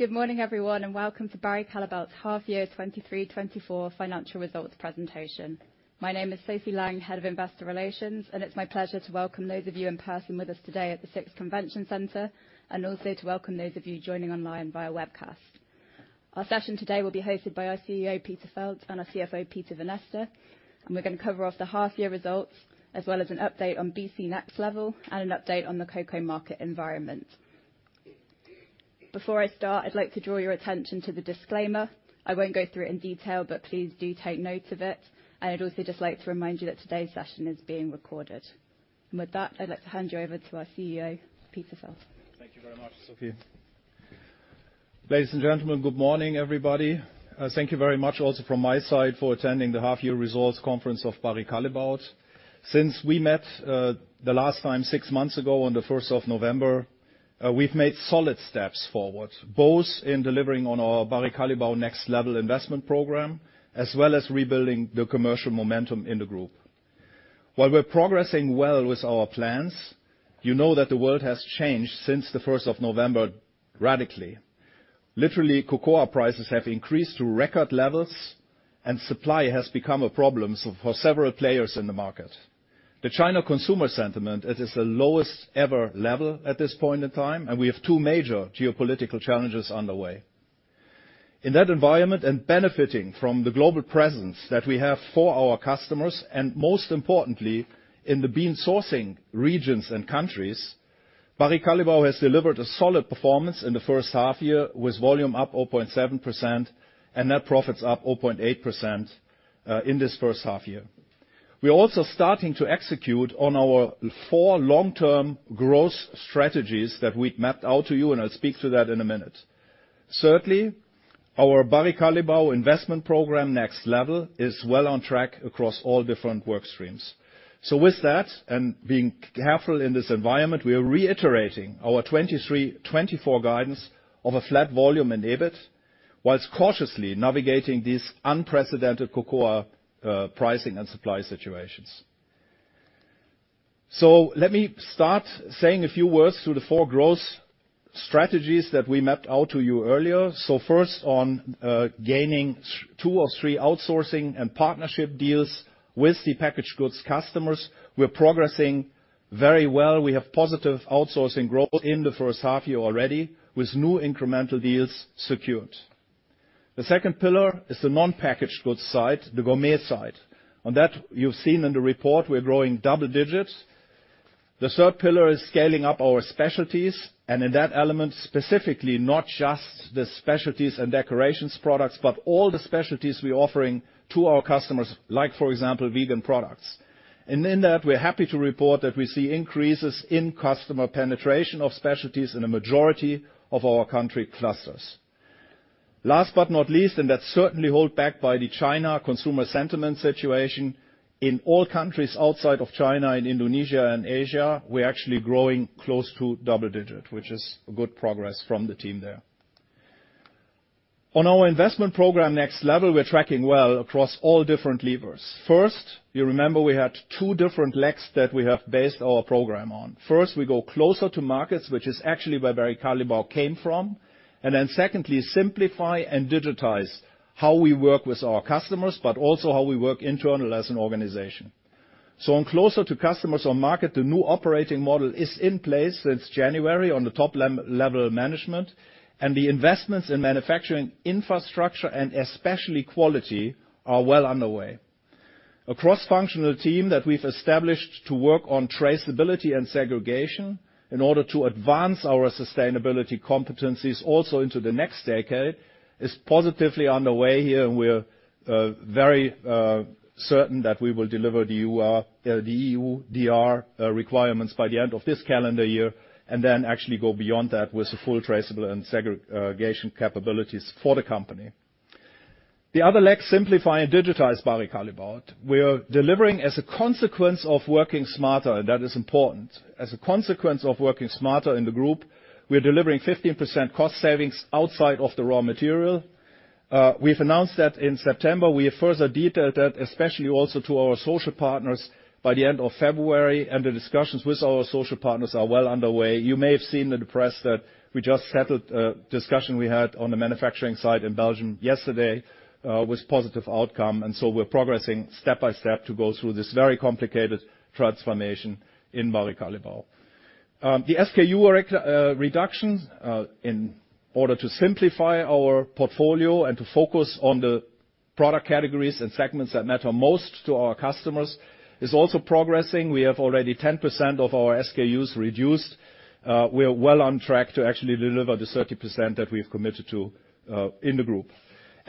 Good morning, everyone, and welcome to Barry Callebaut's Half Year 23/24 Financial Results presentation. My name is Sophie Lang, Head of Investor Relations, and it's my pleasure to welcome those of you in person with us today at the SIX Convention Centre, and also to welcome those of you joining online via webcast. Our session today will be hosted by our CEO Peter Feld and our CFO Peter Vanneste, and we're going to cover off the half-year results as well as an update on BC Next Level and an update on the cocoa market environment. Before I start, I'd like to draw your attention to the disclaimer. I won't go through it in detail, but please do take note of it, and I'd also just like to remind you that today's session is being recorded. With that, I'd like to hand you over to our CEO Peter Feld. Thank you very much, Sophie. Ladies and gentlemen, good morning, everybody. Thank you very much also from my side for attending the Half Year Results Conference of Barry Callebaut. Since we met, the last time six months ago on the 1st of November, we've made solid steps forward, both in delivering on our Barry Callebaut Next Level investment program as well as rebuilding the commercial momentum in the group. While we're progressing well with our plans, you know that the world has changed since the 1st of November radically. Literally, cocoa prices have increased to record levels, and supply has become a problem for several players in the market. The China consumer sentiment, it is the lowest-ever level at this point in time, and we have two major geopolitical challenges underway. In that environment and benefiting from the global presence that we have for our customers, and most importantly, in the bean sourcing regions and countries, Barry Callebaut has delivered a solid performance in the first half-year with volume up 0.7% and net profits up 0.8%, in this first half-year. We're also starting to execute on our four long-term growth strategies that we'd mapped out to you, and I'll speak to that in a minute. Thirdly, our Barry Callebaut Investment Program Next Level is well on track across all different workstreams. So with that, and being careful in this environment, we are reiterating our 2023/24 guidance of a flat volume and EBIT, while cautiously navigating these unprecedented cocoa, pricing and supply situations. So let me start saying a few words to the four growth strategies that we mapped out to you earlier. So first on gaining 2 or 3 outsourcing and partnership deals with the packaged goods customers. We're progressing very well. We have positive outsourcing growth in the first half-year already with new incremental deals secured. The second pillar is the non-packaged goods side, the gourmet side. On that, you've seen in the report, we're growing double digits. The third pillar is scaling up our specialties, and in that element, specifically not just the specialties and decorations products, but all the specialties we're offering to our customers, like, for example, vegan products. And in that, we're happy to report that we see increases in customer penetration of specialties in a majority of our country clusters. Last but not least, and that's certainly held back by the China consumer sentiment situation, in all countries outside of China, in Indonesia, and Asia, we're actually growing close to double-digit, which is good progress from the team there. On our Investment Program Next Level, we're tracking well across all different levers. First, you remember we had two different legs that we have based our program on. First, we go closer to markets, which is actually where Barry Callebaut came from, and then secondly, simplify and digitize how we work with our customers, but also how we work internally as an organization. So on closer to customers or market, the new operating model is in place since January on the top-level management, and the investments in manufacturing infrastructure and especially quality are well underway. A cross-functional team that we've established to work on traceability and segregation in order to advance our sustainability competencies also into the next decade is positively underway here, and we're very certain that we will deliver the EUDR requirements by the end of this calendar year and then actually go beyond that with the full traceable and segregation capabilities for the company. The other leg, simplify and digitize Barry Callebaut. We're delivering as a consequence of working smarter, and that is important. As a consequence of working smarter in the group, we're delivering 15% cost savings outside of the raw material. We've announced that in September. We have further detailed that, especially also to our social partners, by the end of February, and the discussions with our social partners are well underway. You may have seen in the press that we just settled a discussion we had on the manufacturing side in Belgium yesterday, with positive outcome, and so we're progressing step by step to go through this very complicated transformation in Barry Callebaut. The SKU reduction, in order to simplify our portfolio and to focus on the product categories and segments that matter most to our customers is also progressing. We have already 10% of our SKUs reduced. We're well on track to actually deliver the 30% that we've committed to, in the group.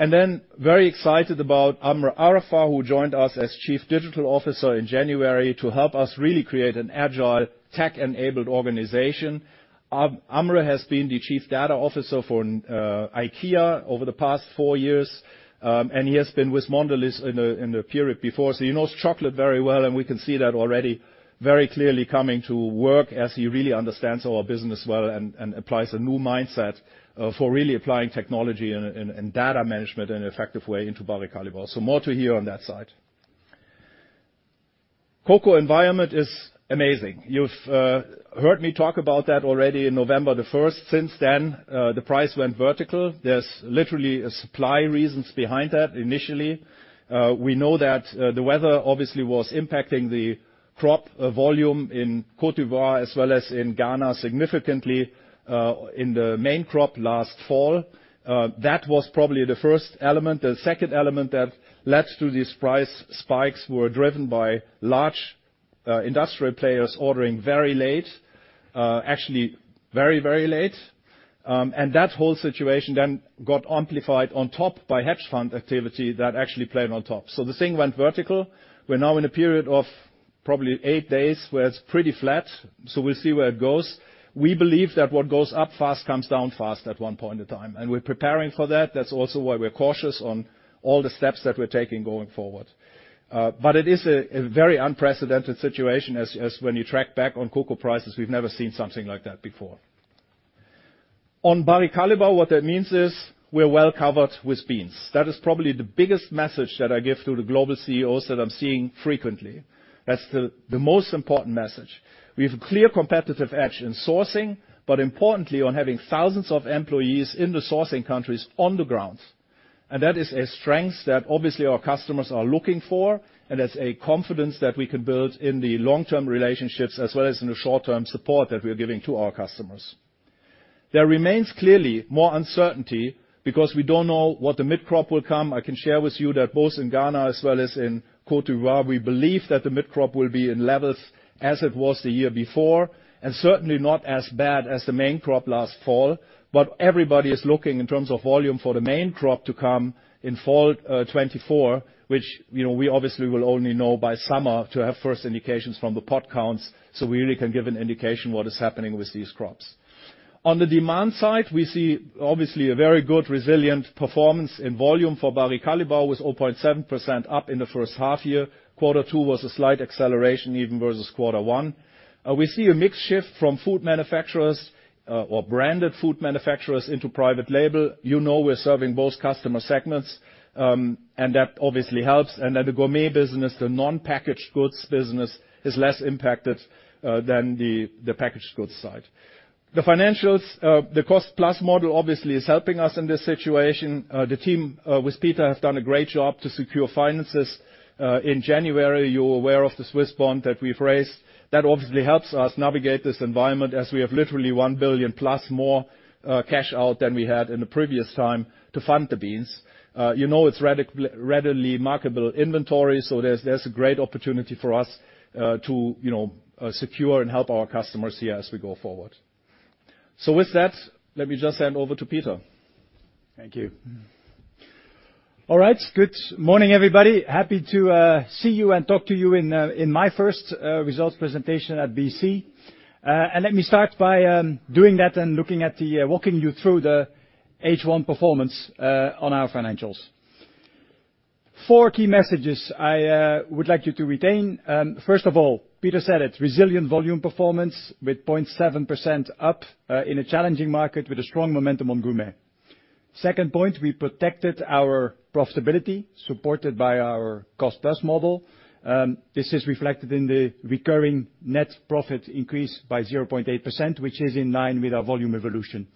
And then very excited about Amr Arafa, who joined us as Chief Digital Officer in January to help us really create an agile tech-enabled organization. Amr has been the Chief Data Officer for IKEA over the past four years, and he has been with Mondelēz in a period before. So he knows chocolate very well, and we can see that already very clearly coming to work as he really understands our business well and applies a new mindset for really applying technology and data management in an effective way into Barry Callebaut. So more to hear on that side. Cocoa environment is amazing. You've heard me talk about that already on November the 1st. Since then, the price went vertical. There's literally supply reasons behind that initially. We know that the weather obviously was impacting the crop volume in Côte d'Ivoire as well as in Ghana significantly in the main crop last fall. That was probably the first element. The second element that led to these price spikes were driven by large industrial players ordering very late, actually very, very late. That whole situation then got amplified on top by hedge fund activity that actually played on top. So the thing went vertical. We're now in a period of probably eight days where it's pretty flat, so we'll see where it goes. We believe that what goes up fast comes down fast at one point in time, and we're preparing for that. That's also why we're cautious on all the steps that we're taking going forward. But it is a very unprecedented situation as when you track back on cocoa prices, we've never seen something like that before. On Barry Callebaut, what that means is we're well covered with beans. That is probably the biggest message that I give to the global CEOs that I'm seeing frequently. That's the most important message. We have a clear competitive edge in sourcing, but importantly, on having thousands of employees in the sourcing countries on the ground. And that is a strength that obviously our customers are looking for, and that's a confidence that we can build in the long-term relationships as well as in the short-term support that we're giving to our customers. There remains clearly more uncertainty because we don't know what the mid-crop will come. I can share with you that both in Ghana as well as in Côte d'Ivoire, we believe that the mid-crop will be in levels as it was the year before, and certainly not as bad as the main crop last fall, but everybody is looking in terms of volume for the main crop to come in fall 2024, which, you know, we obviously will only know by summer to have first indications from the pod counts, so we really can give an indication what is happening with these crops. On the demand side, we see obviously a very good resilient performance in volume for Barry Callebaut with 0.7% up in the first half-year. Quarter two was a slight acceleration even versus quarter one. We see a mixed shift from food manufacturers, or branded food manufacturers into private label. You know we're serving both customer segments, and that obviously helps. Then the gourmet business, the non-packaged goods business, is less impacted than the packaged goods side. The financials, the cost-plus model obviously is helping us in this situation. The team, with Peter have done a great job to secure finances. In January, you're aware of the Swiss bond that we've raised. That obviously helps us navigate this environment as we have literally 1 billion-plus more cash out than we had in the previous time to fund the beans. You know it's readily marketable inventory, so there's a great opportunity for us to secure and help our customers here as we go forward. So with that, let me just hand over to Peter. Thank you. All right. Good morning, everybody. Happy to see you and talk to you in my first results presentation at BC. And let me start by doing that and walking you through the H1 performance on our financials. Four key messages I would like you to retain. First of all, Peter said it, resilient volume performance with 0.7% up in a challenging market with a strong momentum on gourmet. Second point, we protected our profitability supported by our cost-plus model. This is reflected in the recurring net profit increase by 0.8%, which is in line with our volume evolution.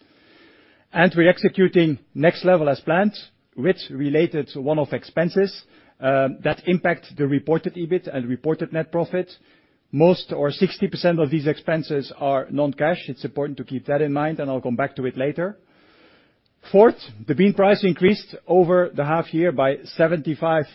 And we're executing Next Level as planned with related one-off expenses that impact the reported EBIT and reported net profit. Most or 60% of these expenses are non-cash. It's important to keep that in mind, and I'll come back to it later. Fourth, the bean price increased over the half-year by 75%,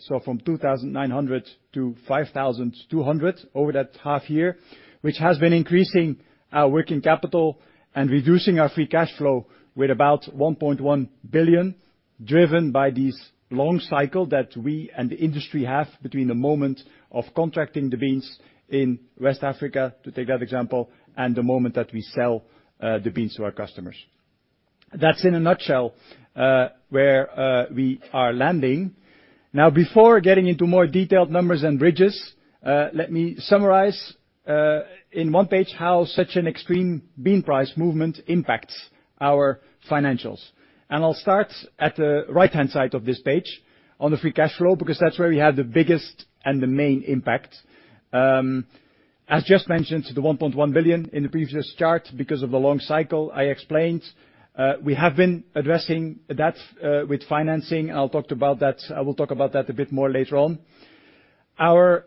so from $2,900-$5,200 over that half-year, which has been increasing our working capital and reducing our free cash flow with about 1.1 billion driven by these long cycle that we and the industry have between the moment of contracting the beans in West Africa, to take that example, and the moment that we sell the beans to our customers. That's in a nutshell where we are landing. Now, before getting into more detailed numbers and bridges, let me summarize in one page how such an extreme bean price movement impacts our financials. I'll start at the right-hand side of this page on the free cash flow because that's where we have the biggest and the main impact. As just mentioned, the 1.1 billion in the previous chart because of the long cycle I explained, we have been addressing that with financing, and I'll talk about that I will talk about that a bit more later on. Our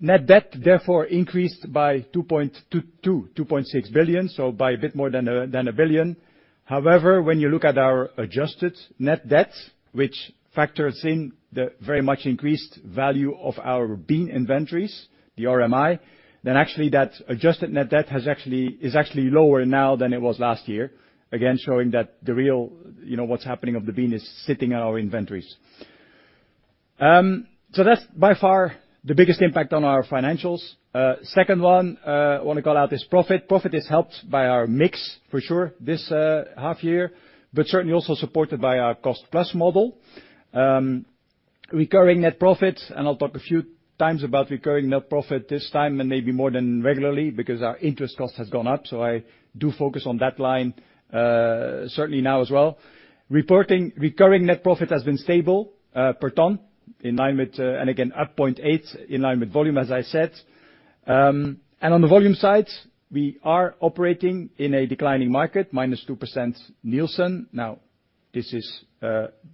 net debt, therefore, increased by 2.2-2.6 billion, so by a bit more than a than a billion. However, when you look at our adjusted net debt, which factors in the very much increased value of our bean inventories, the RMI, then actually that adjusted net debt has actually is actually lower now than it was last year, again showing that the real, you know, what's happening of the bean is sitting in our inventories. So that's by far the biggest impact on our financials. Second one, I wanna call out is profit. Profit is helped by our mix for sure this half-year, but certainly also supported by our cost-plus model. Recurring net profit, and I'll talk a few times about recurring net profit this time and maybe more than regularly because our interest cost has gone up, so I do focus on that line, certainly now as well. Reporting recurring net profit has been stable per ton in line with, and again, up 0.8 in line with volume, as I said. And on the volume side, we are operating in a declining market, -2% Nielsen. Now, this is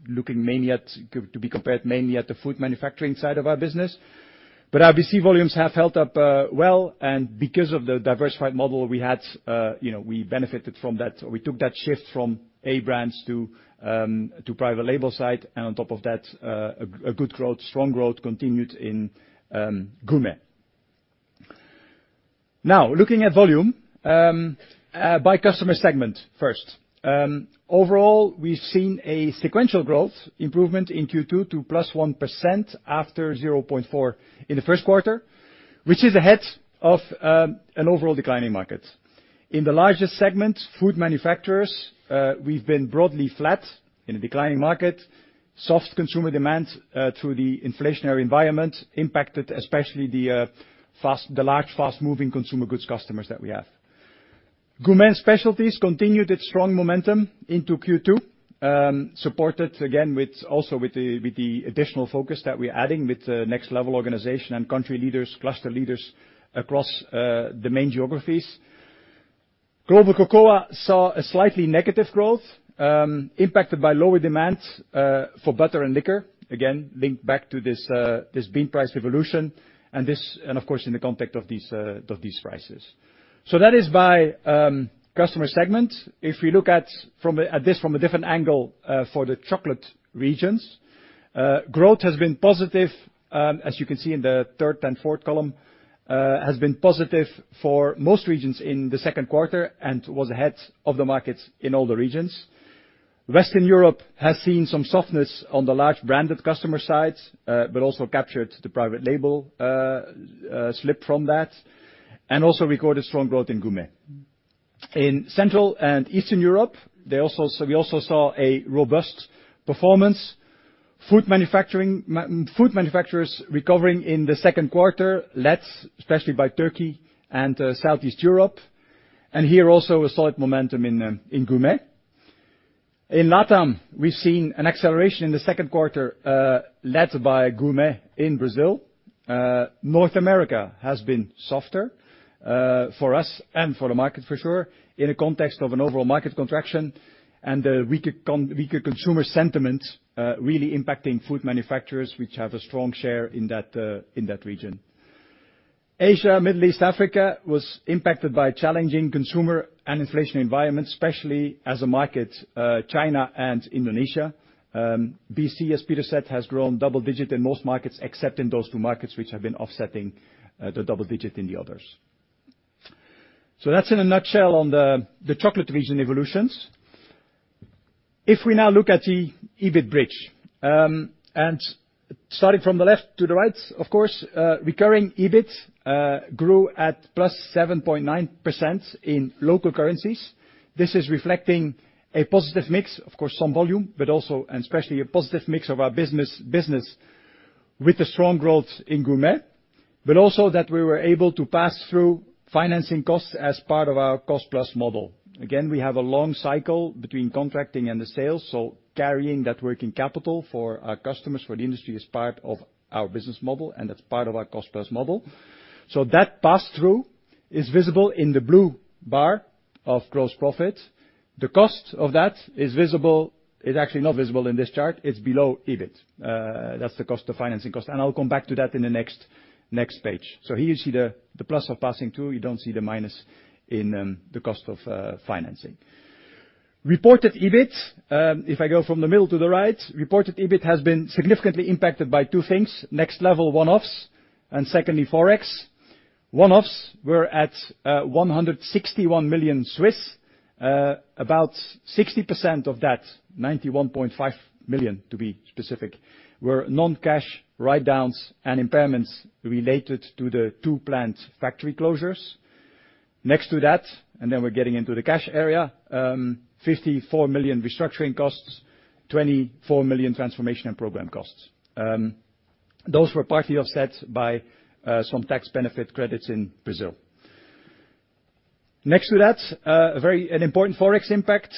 looking mainly at to be compared mainly at the food manufacturing side of our business, but our BC volumes have held up, well, and because of the diversified model we had, you know, we benefited from that or we took that shift from A brands to private label side, and on top of that, a good growth, strong growth continued in gourmet. Now, looking at volume, by customer segment first. Overall, we've seen a sequential growth improvement in Q2 to +1% after 0.4% in the Q1, which is ahead of an overall declining market. In the largest segment, food manufacturers, we've been broadly flat in a declining market. Soft consumer demand through the inflationary environment impacted especially the large fast-moving consumer goods customers that we have. Gourmet specialties continued its strong momentum into Q2, supported again with the additional focus that we're adding with the Next Level organization and country leaders, cluster leaders across the main geographies. Global cocoa saw a slightly negative growth, impacted by lower demand for butter and liquor, again linked back to this bean price evolution and of course in the context of these prices. So that is by customer segment. If we look at this from a different angle, for the chocolate regions, growth has been positive, as you can see in the third and fourth column, has been positive for most regions in the Q2 and was ahead of the markets in all the regions. Western Europe has seen some softness on the large branded customer side, but also captured the private label slip from that and also recorded strong growth in gourmet. In Central and Eastern Europe, we also saw a robust performance. Food manufacturers recovering in the Q2 led especially by Turkey and Southeast Europe, and here also a solid momentum in gourmet. In LATAM, we've seen an acceleration in the Q2, led by gourmet in Brazil. North America has been softer for us and for the market for sure in the context of an overall market contraction and the weaker consumer sentiment really impacting food manufacturers which have a strong share in that region. Asia, Middle East, Africa was impacted by challenging consumer and inflationary environment, especially in markets China and Indonesia. BC, as Peter said, has grown double-digit in most markets except in those two markets which have been offsetting the double-digit in the others. So that's in a nutshell on the chocolate region evolutions. If we now look at the EBIT bridge, and starting from the left to the right, of course, recurring EBIT grew at +7.9% in local currencies. This is reflecting a positive mix, of course some volume, but also and especially a positive mix of our business with the strong growth in gourmet, but also that we were able to pass through financing costs as part of our cost-plus model. Again, we have a long cycle between contracting and the sales, so carrying that working capital for our customers, for the industry is part of our business model, and that's part of our cost-plus model. So that pass-through is visible in the blue bar of gross profit. The cost of that is visible; it's actually not visible in this chart. It's below EBIT. That's the cost of financing cost, and I'll come back to that in the next page. So here you see the plus of passing through. You don't see the minus in the cost of financing. Reported EBIT, if I go from the middle to the right, reported EBIT has been significantly impacted by two things: Next Level one-offs and secondly Forex. One-offs were at 161 million. About 60% of that, 91.5 million to be specific, were non-cash write-downs and impairments related to the two planned factory closures. Next to that, and then we're getting into the cash area, 54 million restructuring costs, 24 million transformation and program costs. Those were partly offset by some tax benefit credits in Brazil. Next to that, a very important Forex impact.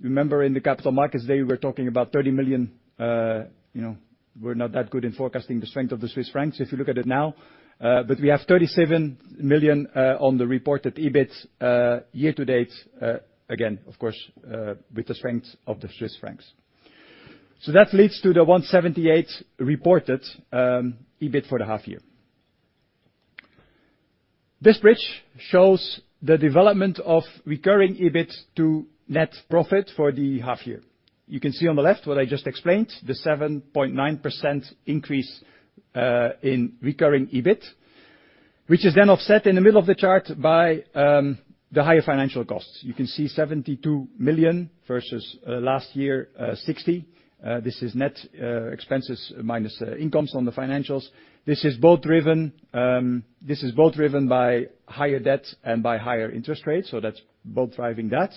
Remember in the Capital Markets Day we were talking about 30 million, you know, we're not that good in forecasting the strength of the Swiss francs if you look at it now, but we have 37 million on the reported EBIT year to date, again, of course, with the strength of the Swiss francs. So that leads to the 178 million reported EBIT for the half-year. This bridge shows the development of recurring EBIT to net profit for the half-year. You can see on the left what I just explained, the 7.9% increase in recurring EBIT, which is then offset in the middle of the chart by the higher financial costs. You can see 72 million versus last year 60 million. This is net expenses minus incomes on the financials. This is both driven by higher debt and by higher interest rates, so that's both driving that.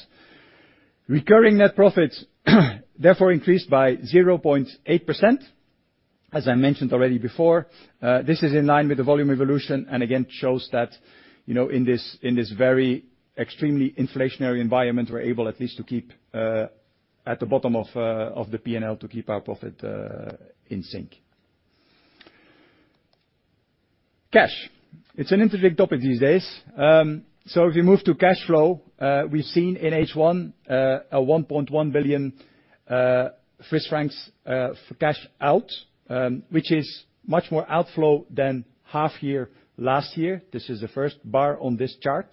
Recurring net profit, therefore, increased by 0.8%, as I mentioned already before. This is in line with the volume evolution and again shows that, you know, in this very extremely inflationary environment we're able at least to keep, at the bottom of the P&L to keep our profit in sync. Cash. It's an intrinsic topic these days. So if you move to cash flow, we've seen in H1 a 1.1 billion Swiss francs cash out, which is much more outflow than half-year last year. This is the first bar on this chart.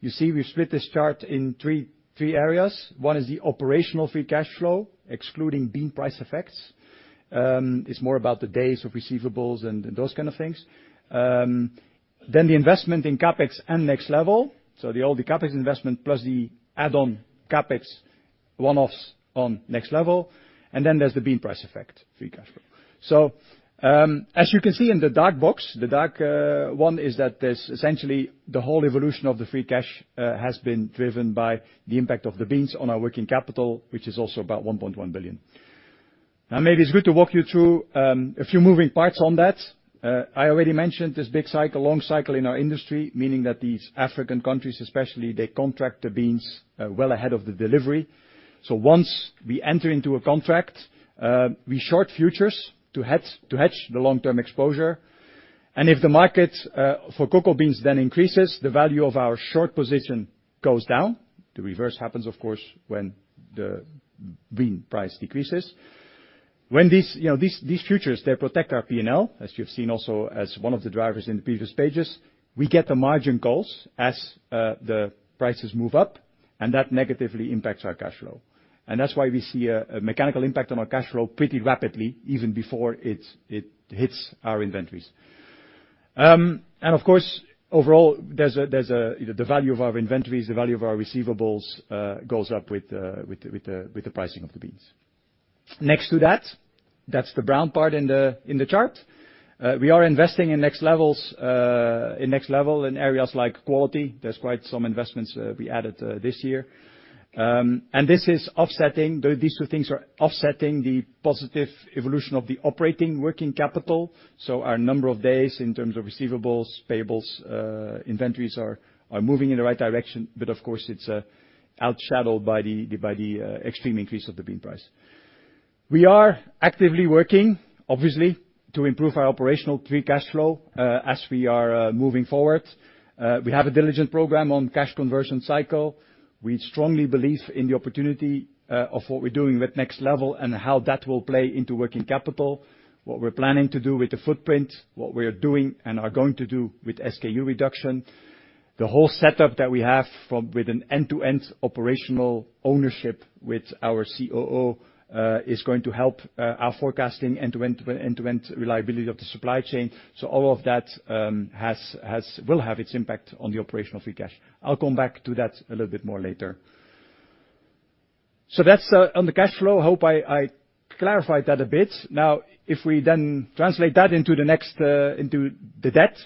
You see we've split this chart in three areas. One is the operational free cash flow excluding bean price effects. It's more about the days of receivables and those kind of things. Then the investment in CapEx and Next Level, so all the CapEx investment plus the add-on CapEx one-offs on Next Level, and then there's the bean price effect free cash flow. So, as you can see in the dark box, the dark one is that there's essentially the whole evolution of the free cash has been driven by the impact of the beans on our working capital, which is also about 1.1 billion. Now, maybe it's good to walk you through a few moving parts on that. I already mentioned this big cycle, long cycle in our industry, meaning that these African countries especially, they contract the beans well ahead of the delivery. So once we enter into a contract, we short futures to hedge to hedge the long-term exposure, and if the market for cocoa beans then increases, the value of our short position goes down. The reverse happens, of course, when the bean price decreases. When these, you know, futures, they protect our P&L, as you've seen also as one of the drivers in the previous pages. We get the margin calls as the prices move up, and that negatively impacts our cash flow, and that's why we see a mechanical impact on our cash flow pretty rapidly even before it hits our inventories. And of course, overall, there's a, you know, the value of our inventories, the value of our receivables, goes up with the pricing of the beans. Next to that, that's the brown part in the chart. We are investing in Next Levels, in Next Level in areas like quality. There's quite some investments we added this year. And this is offsetting. These two things are offsetting the positive evolution of the operating working capital, so our number of days in terms of receivables, payables, inventories are moving in the right direction, but of course it's overshadowed by the extreme increase of the bean price. We are actively working, obviously, to improve our operational free cash flow, as we are moving forward. We have a diligent program on cash conversion cycle. We strongly believe in the opportunity of what we're doing with Next Level and how that will play into working capital, what we're planning to do with the footprint, what we are doing and are going to do with SKU reduction. The whole setup that we have from with an end-to-end operational ownership with our COO is going to help our forecasting end-to-end end-to-end reliability of the supply chain, so all of that will have its impact on the operational free cash. I'll come back to that a little bit more later. So that's on the cash flow. I hope I clarified that a bit. Now, if we then translate that into the next into the debt,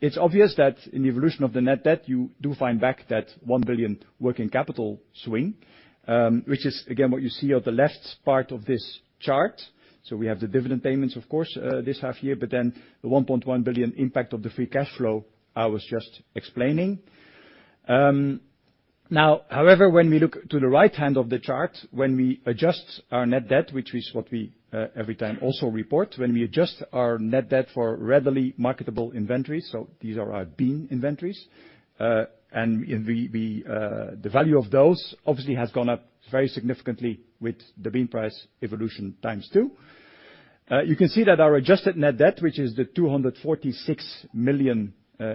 it's obvious that in the evolution of the net debt you do find back that 1 billion working capital swing, which is again what you see on the left part of this chart. So we have the dividend payments, of course, this half-year, but then the 1.1 billion impact of the free cash flow I was just explaining. Now, however, when we look to the right hand of the chart, when we adjust our net debt, which is what we every time also report, when we adjust our net debt for readily marketable inventories, so these are our bean inventories, and we the value of those obviously has gone up very significantly with the bean price evolution times two. You can see that our adjusted net debt, which is 246 million,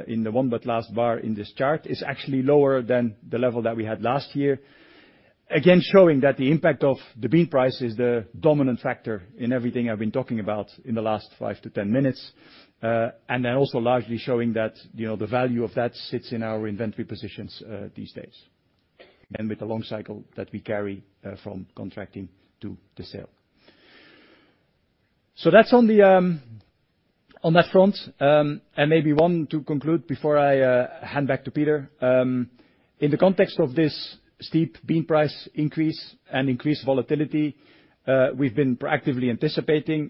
in the one but last bar in this chart, is actually lower than the level that we had last year, again showing that the impact of the bean price is the dominant factor in everything I've been talking about in the last five to ten minutes, and then also largely showing that, you know, the value of that sits in our inventory positions, these days, and with the long cycle that we carry, from contracting to the sale. So that's on the, on that front, and maybe one to conclude before I hand back to Peter. In the context of this steep bean price increase and increased volatility, we've been proactively anticipating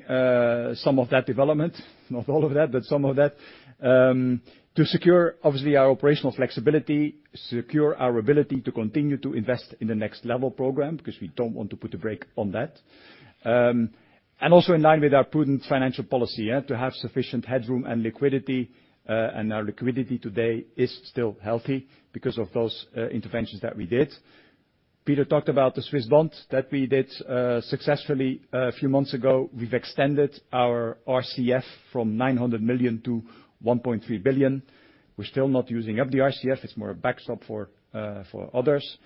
some of that development, not all of that, but some of that, to secure obviously our operational flexibility, secure our ability to continue to invest in the Next Level program because we don't want to put a break on that, and also in line with our prudent financial policy, yeah, to have sufficient headroom and liquidity, and our liquidity today is still healthy because of those interventions that we did. Peter talked about the Swiss bond that we did successfully a few months ago. We've extended our RCF from 900 million to 1.3 billion. We're still not using up the RCF. It's more a backstop for, for others.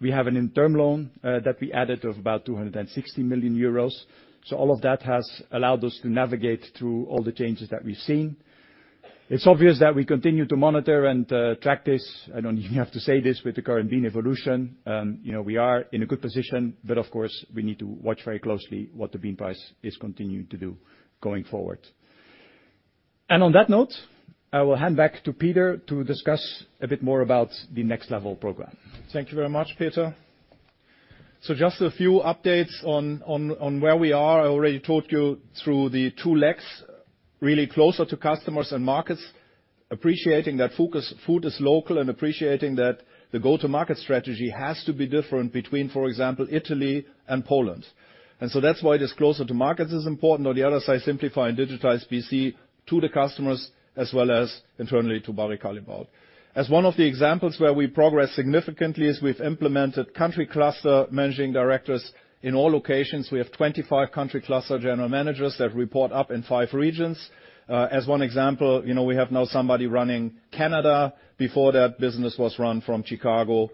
We have an interim loan, that we added of about 260 million euros, so all of that has allowed us to navigate through all the changes that we've seen. It's obvious that we continue to monitor and track this. I don't even have to say this with the current bean evolution. You know, we are in a good position, but of course we need to watch very closely what the bean price is continuing to do going forward. And on that note, I will hand back to Peter to discuss a bit more about the Next Level program. Thank you very much, Peter. So just a few updates on where we are. I already told you through the two legs, really closer to customers and markets, appreciating that focus food is local and appreciating that the go-to-market strategy has to be different between, for example, Italy and Poland, and so that's why this closer to markets is important. On the other side, simplify and digitize BC to the customers as well as internally to Barry Callebaut. As one of the examples where we progress significantly is we've implemented country cluster managing directors in all locations. We have 25 country cluster general managers that report up in 5 regions. As one example, you know, we have now somebody running Canada. Before that, business was run from Chicago,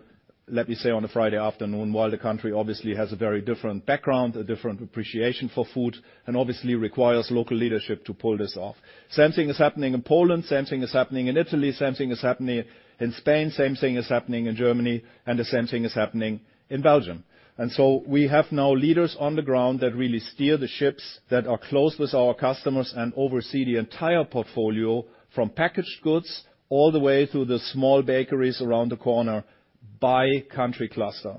let me say on a Friday afternoon, while the country obviously has a very different background, a different appreciation for food, and obviously requires local leadership to pull this off. Same thing is happening in Poland. Same thing is happening in Italy. Same thing is happening in Spain. Same thing is happening in Germany. The same thing is happening in Belgium. So we have now leaders on the ground that really steer the ships that are close with our customers and oversee the entire portfolio from packaged goods all the way through the small bakeries around the corner by country cluster.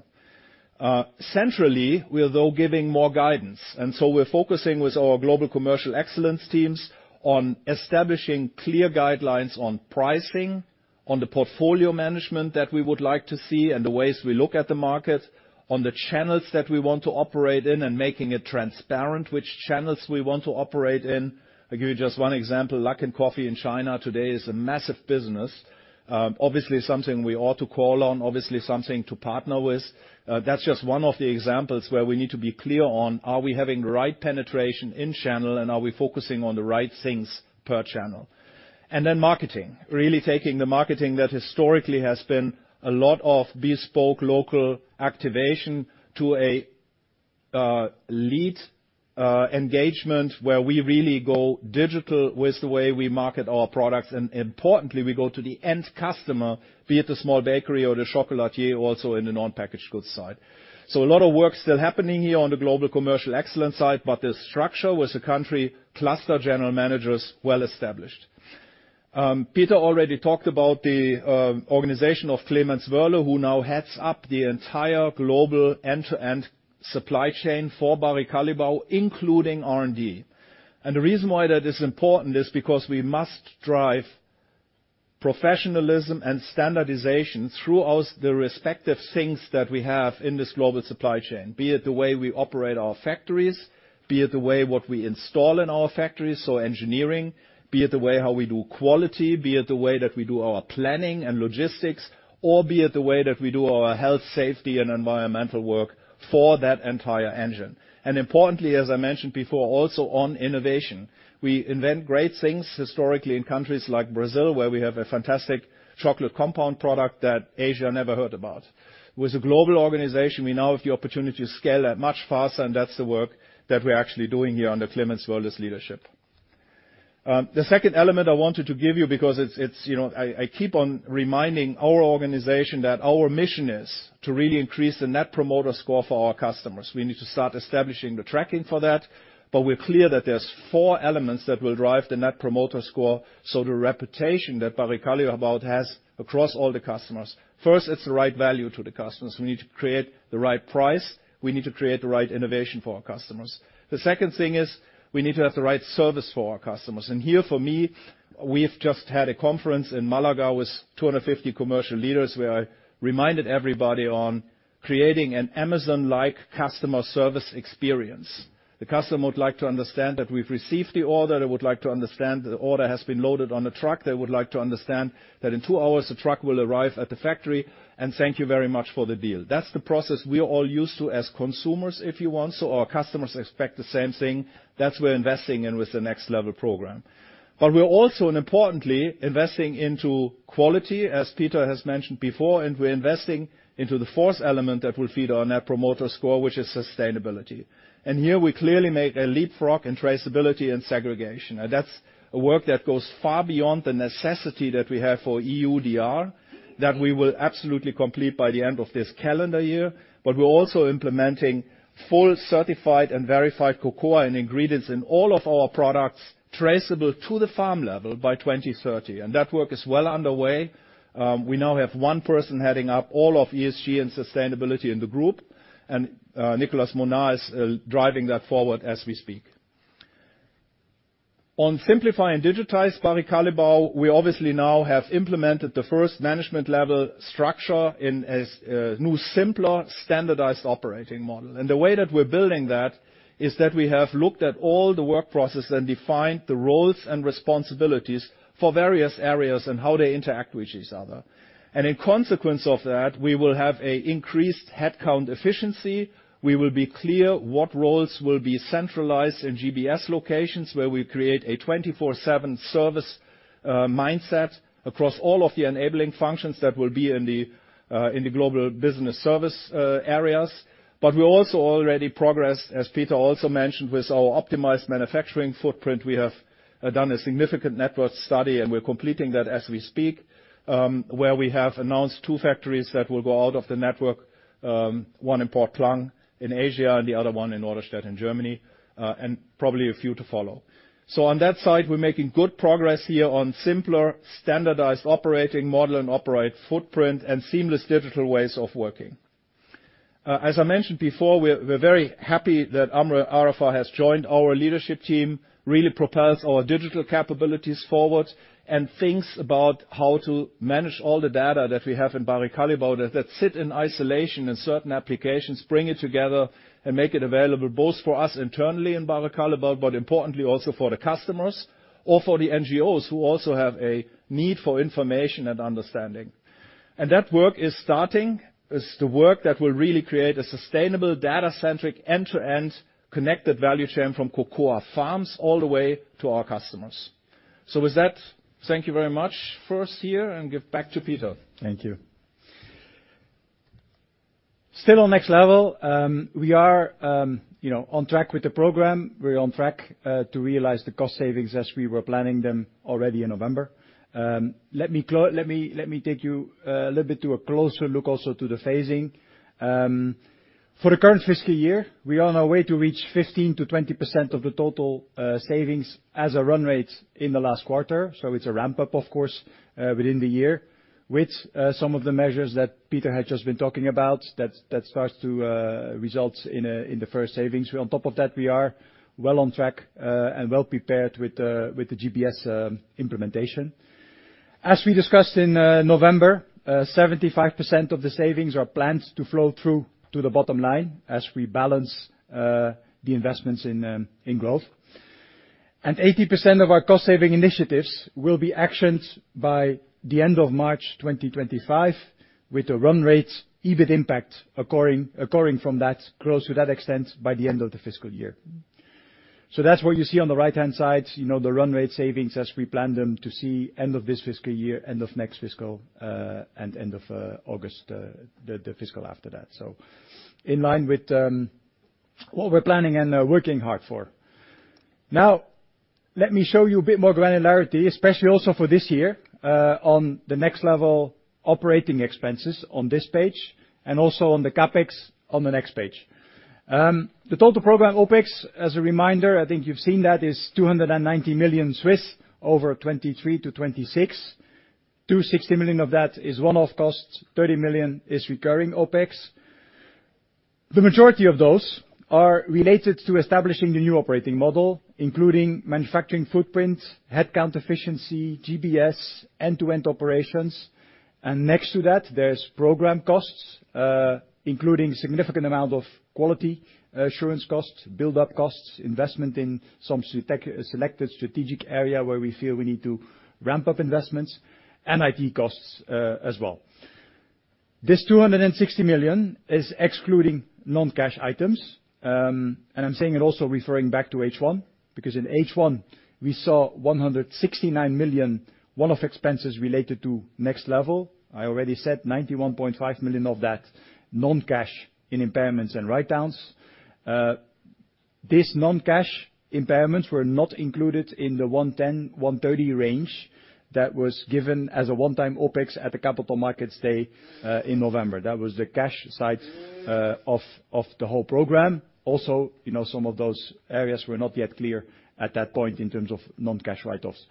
Centrally, we're though giving more guidance, and so we're focusing with our global commercial excellence teams on establishing clear guidelines on pricing, on the portfolio management that we would like to see and the ways we look at the market, on the channels that we want to operate in and making it transparent which channels we want to operate in. I'll give you just one example. Luckin Coffee in China today is a massive business, obviously something we ought to call on, obviously something to partner with. That's just one of the examples where we need to be clear on are we having the right penetration in channel and are we focusing on the right things per channel. And then marketing, really taking the marketing that historically has been a lot of bespoke local activation to a lead engagement where we really go digital with the way we market our products, and importantly, we go to the end customer, be it the small bakery or the chocolatier also in the non-packaged goods side. So a lot of work still happening here on the global commercial excellence side, but the structure with the country cluster general managers well established. Peter already talked about the organization of Clemens Wöhler, who now heads up the entire global end-to-end supply chain for Barry Callebaut, including R&D. The reason why that is important is because we must drive professionalism and standardization throughout the respective things that we have in this global supply chain, be it the way we operate our factories, be it the way what we install in our factories, so engineering, be it the way how we do quality, be it the way that we do our planning and logistics, or be it the way that we do our health, safety, and environmental work for that entire engine. Importantly, as I mentioned before, also on innovation. We invent great things historically in countries like Brazil where we have a fantastic chocolate compound product that Asia never heard about. With a global organization, we now have the opportunity to scale that much faster, and that's the work that we're actually doing here under Clemens Wöhler's leadership. The second element I wanted to give you because it's, you know, I keep on reminding our organization that our mission is to really increase the net promoter score for our customers. We need to start establishing the tracking for that, but we're clear that there's four elements that will drive the net promoter score, so the reputation that Barry Callebaut has across all the customers. First, it's the right value to the customers. We need to create the right price. We need to create the right innovation for our customers. The second thing is we need to have the right service for our customers. And here for me, we've just had a conference in Málaga with 250 commercial leaders where I reminded everybody on creating an Amazon-like customer service experience. The customer would like to understand that we've received the order. They would like to understand the order has been loaded on a truck. They would like to understand that in two hours the truck will arrive at the factory, and thank you very much for the deal. That's the process we're all used to as consumers, if you want, so our customers expect the same thing. That's what we're investing in with the Next Level program. But we're also, and importantly, investing into quality, as Peter has mentioned before, and we're investing into the fourth element that will feed our net promoter score, which is sustainability. Here we clearly make a leapfrog in traceability and segregation, and that's a work that goes far beyond the necessity that we have for EUDR that we will absolutely complete by the end of this calendar year, but we're also implementing full certified and verified cocoa and ingredients in all of our products traceable to the farm level by 2030, and that work is well underway. We now have one person heading up all of ESG and sustainability in the group, and Nicolas Mounard is driving that forward as we speak. On simplify and digitize Barry Callebaut, we obviously now have implemented the first management level structure in a new simpler standardized operating model, and the way that we're building that is that we have looked at all the work process and defined the roles and responsibilities for various areas and how they interact with each other. And in consequence of that, we will have an increased headcount efficiency. We will be clear what roles will be centralized in GBS locations where we create a 24/7 service, mindset across all of the enabling functions that will be in the global business service, areas. But we also already progressed, as Peter also mentioned, with our optimized manufacturing footprint. We have done a significant network study, and we're completing that as we speak, where we have announced two factories that will go out of the network, one in Port Klang in Asia and the other one in Norderstedt in Germany, and probably a few to follow. So on that side, we're making good progress here on simpler standardized operating model and operate footprint and seamless digital ways of working. As I mentioned before, we're very happy that Amr Arafa has joined our leadership team, really propels our digital capabilities forward, and thinks about how to manage all the data that we have in Barry Callebaut that sit in isolation in certain applications, bring it together, and make it available both for us internally in Barry Callebaut, but importantly also for the customers or for the NGOs who also have a need for information and understanding. And that work is starting, is the work that will really create a sustainable data-centric end-to-end connected value chain from cocoa farms all the way to our customers. So with that, thank you very much first here, and give back to Peter. Thank you. Still on Next Level, we are, you know, on track with the program. We're on track to realize the cost savings as we were planning them already in November. Let me take you a little bit to a closer look also to the phasing. For the current fiscal year, we are on our way to reach 15%-20% of the total savings as a run rate in the last quarter, so it's a ramp-up, of course, within the year with some of the measures that Peter had just been talking about that starts to result in the first savings. On top of that, we are well on track and well prepared with the GBS implementation. As we discussed in November, 75% of the savings are planned to flow through to the bottom line as we balance the investments in growth, and 80% of our cost saving initiatives will be actioned by the end of March 2025 with a run rate EBIT impact occurring from that close to that extent by the end of the fiscal year. So that's what you see on the right-hand side, you know, the run rate savings as we plan them to see end of this fiscal year, end of next fiscal, and end of August, the fiscal after that, so in line with what we're planning and working hard for. Now, let me show you a bit more granularity, especially also for this year, on the Next Level operating expenses on this page and also on the CapEx on the next page. The total program OPEX, as a reminder, I think you've seen that, is 290 million over 2023 to 2026. 260 million of that is one-off cost. 30 million is recurring OPEX. The majority of those are related to establishing the new operating model, including manufacturing footprint, headcount efficiency, GBS, end-to-end operations, and next to that, there's program costs, including significant amount of quality assurance costs, build-up costs, investment in some selected strategic area where we feel we need to ramp up investments, and IT costs, as well. This 260 million is excluding non-cash items, and I'm saying it also referring back to H1 because in H1, we saw 169 million one-off expenses related to Next Level. I already said 91.5 million of that non-cash in impairments and write-downs. These non-cash impairments were not included in the 110 million-130 million range that was given as a one-time OpEx at the Capital Markets Day, in November. That was the cash side of the whole program. Also, you know, some of those areas were not yet clear at that point in terms of non-cash write-offs.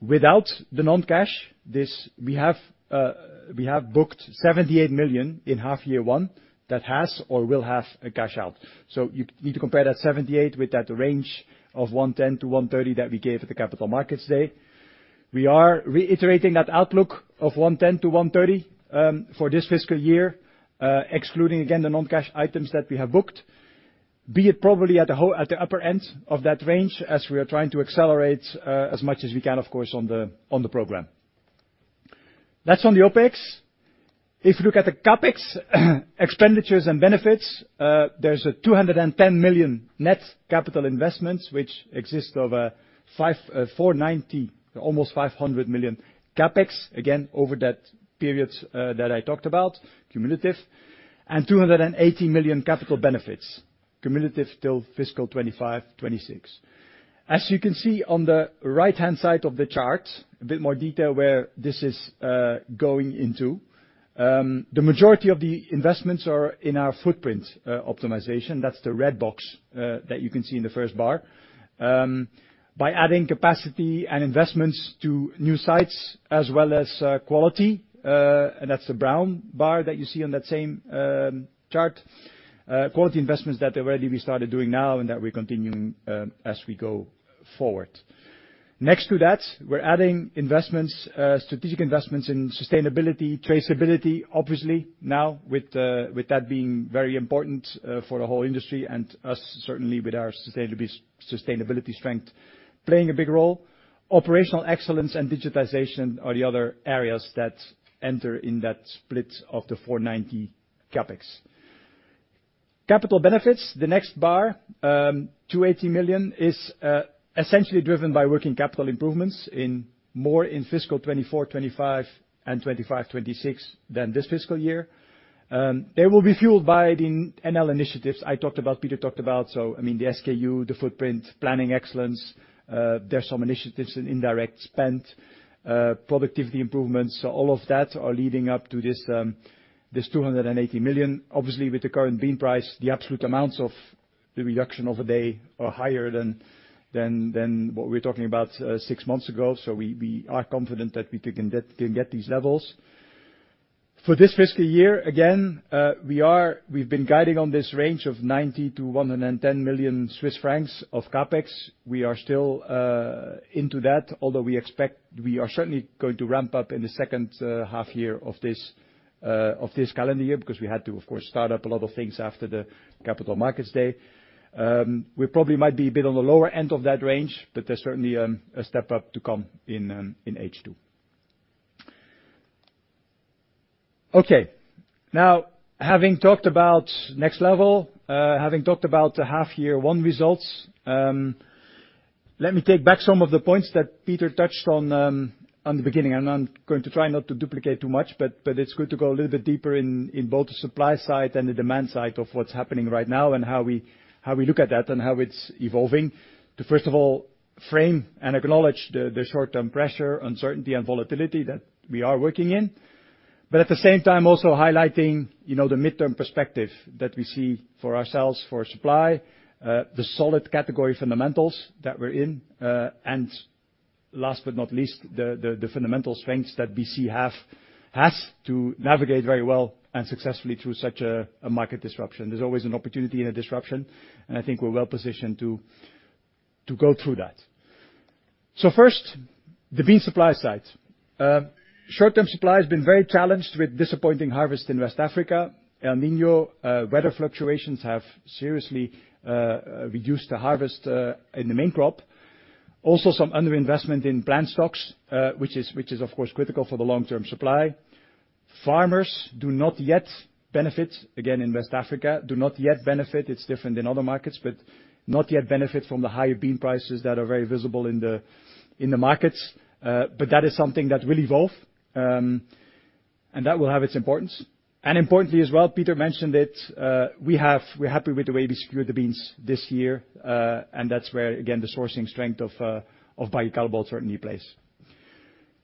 Without the non-cash, we have booked 78 million in half year one that has or will have a cash out, so you need to compare that 78 with that range of 110 million-130 million that we gave at the Capital Markets Day. We are reiterating that outlook of 110 million-130 million for this fiscal year, excluding again the non-cash items that we have booked, be it probably at the upper end of that range as we are trying to accelerate, as much as we can, of course, on the program. That's on the OPEX. If you look at the CapEx expenditures and benefits, there's a 210 million net capital investments which consists of a 549 million, almost 500 million CapEx, again, over that periods that I talked about, cumulative, and 280 million capital benefits, cumulative till fiscal 2025, 2026. As you can see on the right-hand side of the chart, a bit more detail where this is going into. The majority of the investments are in our footprint optimization. That's the red box that you can see in the first bar. by adding capacity and investments to new sites as well as quality, and that's the brown bar that you see on that same chart, quality investments that already we started doing now and that we're continuing as we go forward. Next to that, we're adding investments, strategic investments in sustainability, traceability, obviously now with that being very important for the whole industry and us certainly with our sustainability sustainability strength playing a big role. Operational excellence and digitization are the other areas that enter in that split of the 490 million CapEx. Capital benefits, the next bar, 280 million, is essentially driven by working capital improvements in more in fiscal 2024/25 and 2025/26 than this fiscal year. They will be fueled by the NL initiatives I talked about, Peter talked about, so, I mean, the SKU, the footprint, planning excellence. There's some initiatives in indirect spend, productivity improvements, so all of that are leading up to this 280 million. Obviously, with the current bean price, the absolute amounts of the reduction overhead are higher than what we were talking about six months ago, so we are confident that we can get these levels. For this fiscal year, again, we've been guiding on this range of 90 million-110 million Swiss francs of CapEx. We are still in that, although we expect we are certainly going to ramp up in the second half year of this calendar year because we had to, of course, start up a lot of things after the Capital Markets Day. We probably might be a bit on the lower end of that range, but there's certainly a step up to come in H2. Okay. Now, having talked about Next Level, having talked about the half year one results, let me take back some of the points that Peter touched on, at the beginning. And I'm going to try not to duplicate too much, but it's good to go a little bit deeper in both the supply side and the demand side of what's happening right now and how we look at that and how it's evolving to, first of all, frame and acknowledge the short-term pressure, uncertainty, and volatility that we are working in, but at the same time also highlighting, you know, the midterm perspective that we see for ourselves for supply, the solid category fundamentals that we're in, and last but not least, the fundamental strengths that BC has to navigate very well and successfully through such a market disruption. There's always an opportunity in a disruption, and I think we're well positioned to go through that. So first, the bean supply side. Short-term supply has been very challenged with disappointing harvest in West Africa. El Niño weather fluctuations have seriously reduced the harvest in the main crop. Also, some underinvestment in plant stocks, which is, of course, critical for the long-term supply. Farmers do not yet benefit again in West Africa. It's different in other markets, but not yet benefit from the higher bean prices that are very visible in the markets, but that is something that will evolve, and that will have its importance. And importantly as well, Peter mentioned it, we're happy with the way we secured the beans this year, and that's where, again, the sourcing strength of Barry Callebaut certainly plays.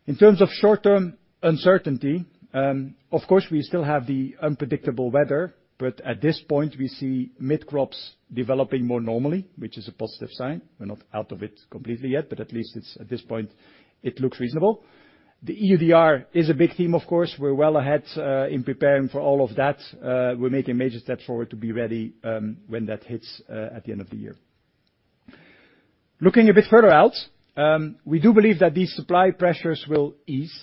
In terms of short-term uncertainty, of course, we still have the unpredictable weather, but at this point, we see mid-crops developing more normally, which is a positive sign. We're not out of it completely yet, but at least it's at this point, it looks reasonable. The EUDR is a big theme, of course. We're well ahead, in preparing for all of that. We're making major steps forward to be ready, when that hits, at the end of the year. Looking a bit further out, we do believe that these supply pressures will ease,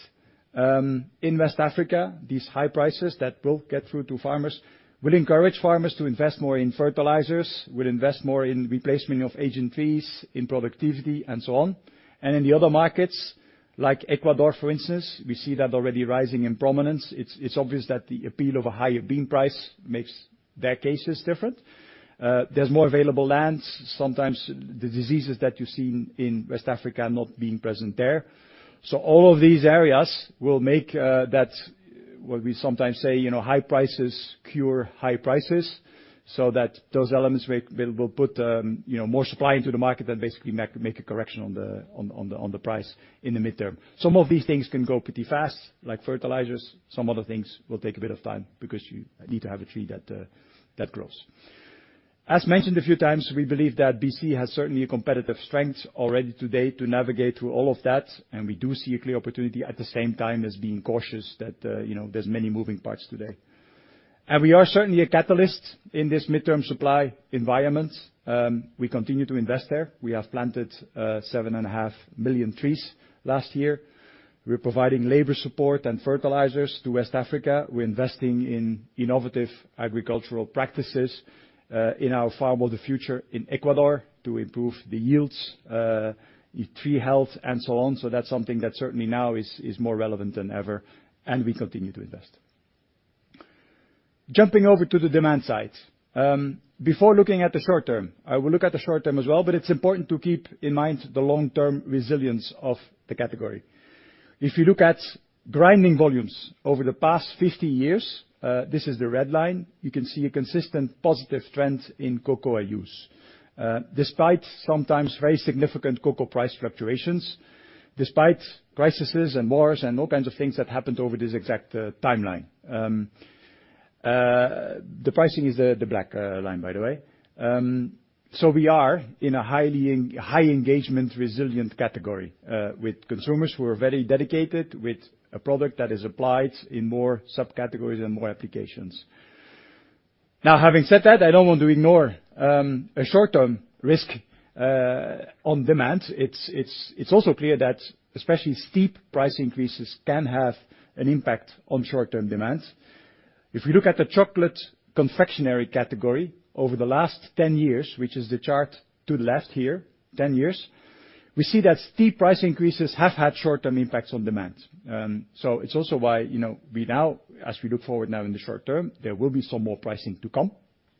in West Africa. These high prices that will get through to farmers will encourage farmers to invest more in fertilizers, will invest more in replacement of aging trees, in productivity, and so on. And in the other markets, like Ecuador, for instance, we see that already rising in prominence. It's obvious that the appeal of a higher bean price makes their cases different. There's more available land. Sometimes the diseases that you've seen in West Africa are not being present there. So all of these areas will make that what we sometimes say, you know, high prices cure high prices so that those elements may will put, you know, more supply into the market and basically make a correction on the price in the midterm. Some of these things can go pretty fast, like fertilizers. Some other things will take a bit of time because you need to have a tree that grows. As mentioned a few times, we believe that BC has certainly a competitive strength already today to navigate through all of that, and we do see a clear opportunity at the same time as being cautious that, you know, there's many moving parts today. We are certainly a catalyst in this midterm supply environment. We continue to invest there. We have planted 7.5 million trees last year. We're providing labor support and fertilizers to West Africa. We're investing in innovative agricultural practices, in our Farm of the Future in Ecuador to improve the yields, tree health, and so on, so that's something that certainly now is more relevant than ever, and we continue to invest. Jumping over to the demand side. Before looking at the short term, I will look at the short term as well, but it's important to keep in mind the long-term resilience of the category. If you look at grinding volumes over the past 50 years, this is the red line. You can see a consistent positive trend in cocoa use, despite sometimes very significant cocoa price fluctuations, despite crises and wars and all kinds of things that happened over this exact timeline. The pricing is the black line, by the way. So we are in a highly in high engagement resilient category, with consumers who are very dedicated with a product that is applied in more subcategories and more applications. Now, having said that, I don't want to ignore a short-term risk on demand. It's also clear that especially steep price increases can have an impact on short-term demand. If we look at the chocolate confectionery category over the last 10 years, which is the chart to the left here, 10 years, we see that steep price increases have had short-term impacts on demand. So it's also why, you know, we now as we look forward now in the short term, there will be some more pricing to come,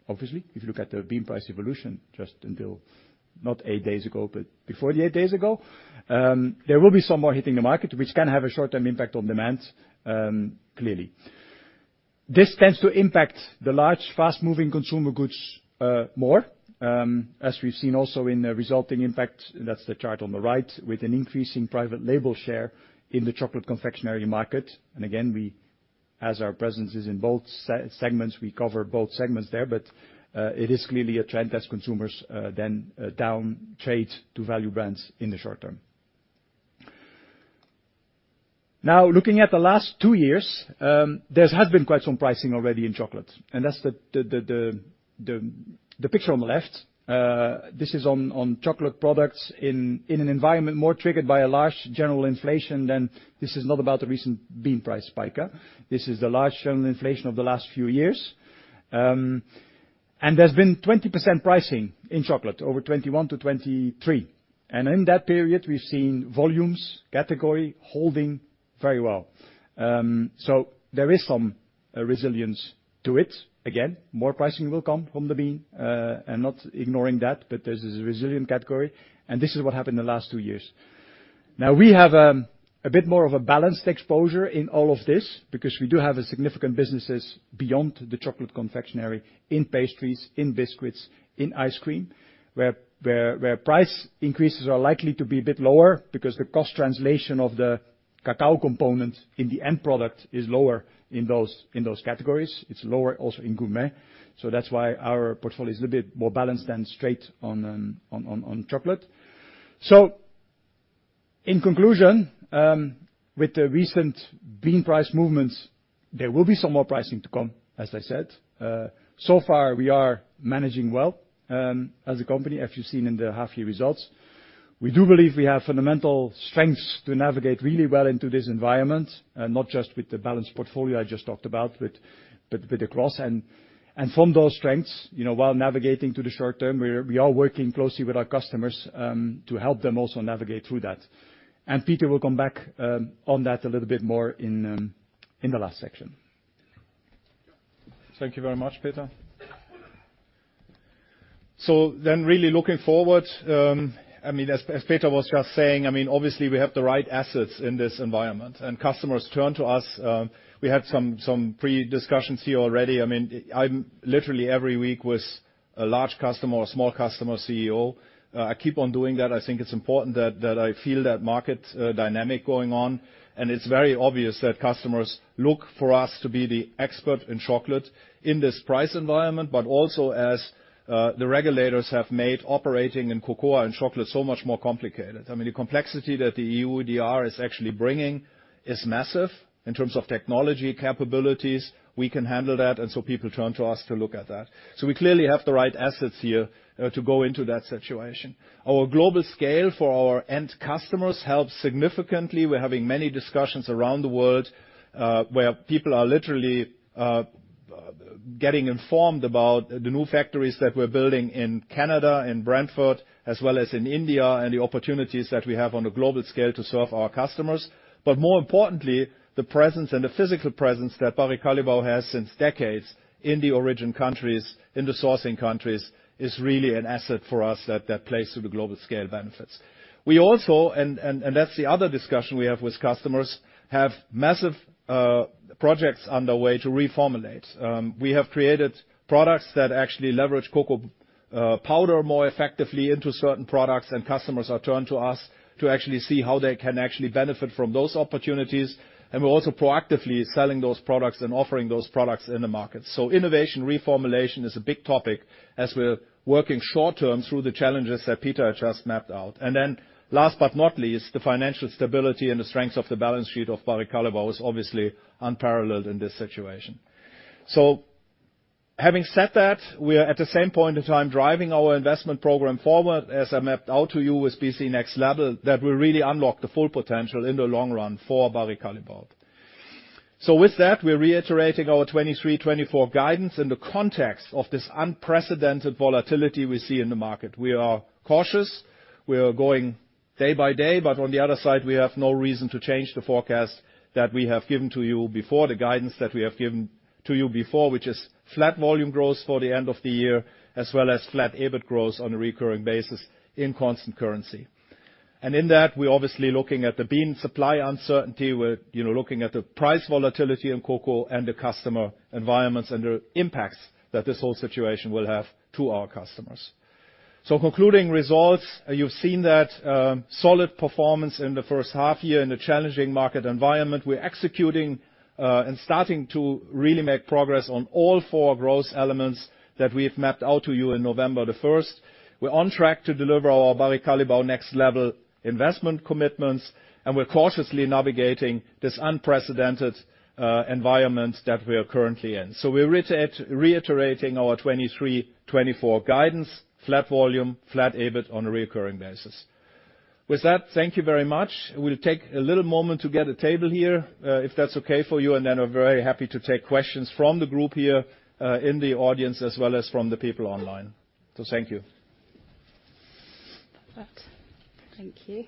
obviously. If you look at the bean price evolution just until not eight days ago, but before the eight days ago, there will be some more hitting the market which can have a short-term impact on demand, clearly. This tends to impact the large fast-moving consumer goods, more, as we've seen also in the resulting impact. That's the chart on the right with an increasing private label share in the chocolate confectionery market, and again, we as our presence is in both these segments, we cover both segments there, but it is clearly a trend as consumers then down trade to value brands in the short term. Now, looking at the last two years, there has been quite some pricing already in chocolate, and that's the picture on the left. This is on chocolate products in an environment more triggered by a large general inflation than this is not about the recent bean price spike, huh. This is the large general inflation of the last few years, and there's been 20% pricing in chocolate over 2021 to 2023, and in that period, we've seen volumes category holding very well. So there is some resilience to it. Again, more pricing will come from the bean, and not ignoring that, but there's this resilient category, and this is what happened in the last two years. Now, we have a bit more of a balanced exposure in all of this because we do have significant businesses beyond the chocolate confectionery in pastries, in biscuits, in ice cream where price increases are likely to be a bit lower because the cost translation of the cacao component in the end product is lower in those categories. It's lower also in gourmet, so that's why our portfolio is a little bit more balanced than straight on chocolate. So in conclusion, with the recent bean price movements, there will be some more pricing to come, as I said. So far, we are managing well as a company, as you've seen in the half year results. We do believe we have fundamental strengths to navigate really well into this environment, not just with the balanced portfolio I just talked about, but with the cross, and from those strengths, you know, while navigating to the short term, we are working closely with our customers, to help them also navigate through that, and Peter will come back on that a little bit more in the last section. Thank you very much, Peter. So then really looking forward, I mean, as Peter was just saying, I mean, obviously, we have the right assets in this environment, and customers turn to us. We had some pre-discussions here already. I mean, I'm literally every week with a large customer or small customer CEO. I keep on doing that. I think it's important that I feel that market dynamic going on, and it's very obvious that customers look for us to be the expert in chocolate in this price environment, but also as the regulators have made operating in cocoa and chocolate so much more complicated. I mean, the complexity that the EUDR is actually bringing is massive in terms of technology capabilities. We can handle that, and so people turn to us to look at that. So we clearly have the right assets here to go into that situation. Our global scale for our end customers helps significantly. We're having many discussions around the world, where people are literally getting informed about the new factories that we're building in Canada, in Brantford, as well as in India, and the opportunities that we have on a global scale to serve our customers. But more importantly, the presence and the physical presence that Barry Callebaut has since decades in the origin countries, in the sourcing countries, is really an asset for us that plays to the global scale benefits. We also, and that's the other discussion we have with customers, have massive projects underway to reformulate. We have created products that actually leverage cocoa powder more effectively into certain products, and customers are turned to us to actually see how they can actually benefit from those opportunities, and we're also proactively selling those products and offering those products in the market. So innovation reformulation is a big topic as we're working short-term through the challenges that Peter had just mapped out. And then last but not least, the financial stability and the strengths of the balance sheet of Barry Callebaut is obviously unparalleled in this situation. So having said that, we are at the same point in time driving our investment program forward, as I mapped out to you with BC Next Level, that will really unlock the full potential in the long run for Barry Callebaut. So with that, we're reiterating our 2023-2024 guidance in the context of this unprecedented volatility we see in the market. We are cautious. We are going day by day, but on the other side, we have no reason to change the forecast that we have given to you before, the guidance that we have given to you before, which is flat volume growth for the end of the year as well as flat EBIT growth on a recurring basis in constant currency. In that, we're obviously looking at the bean supply uncertainty. We're, you know, looking at the price volatility in cocoa and the customer environments and the impacts that this whole situation will have to our customers. So concluding results, you've seen that, solid performance in the first half year in a challenging market environment. We're executing, and starting to really make progress on all four growth elements that we've mapped out to you on November the 1st. We're on track to deliver our Barry Callebaut Next Level investment commitments, and we're cautiously navigating this unprecedented, environment that we are currently in. So we're reiterating our 2023-2024 guidance: flat volume, flat EBIT on a recurring basis. With that, thank you very much. We'll take a little moment to get a table here, if that's okay for you, and then we're very happy to take questions from the group here, in the audience as well as from the people online. So thank you. Thank you.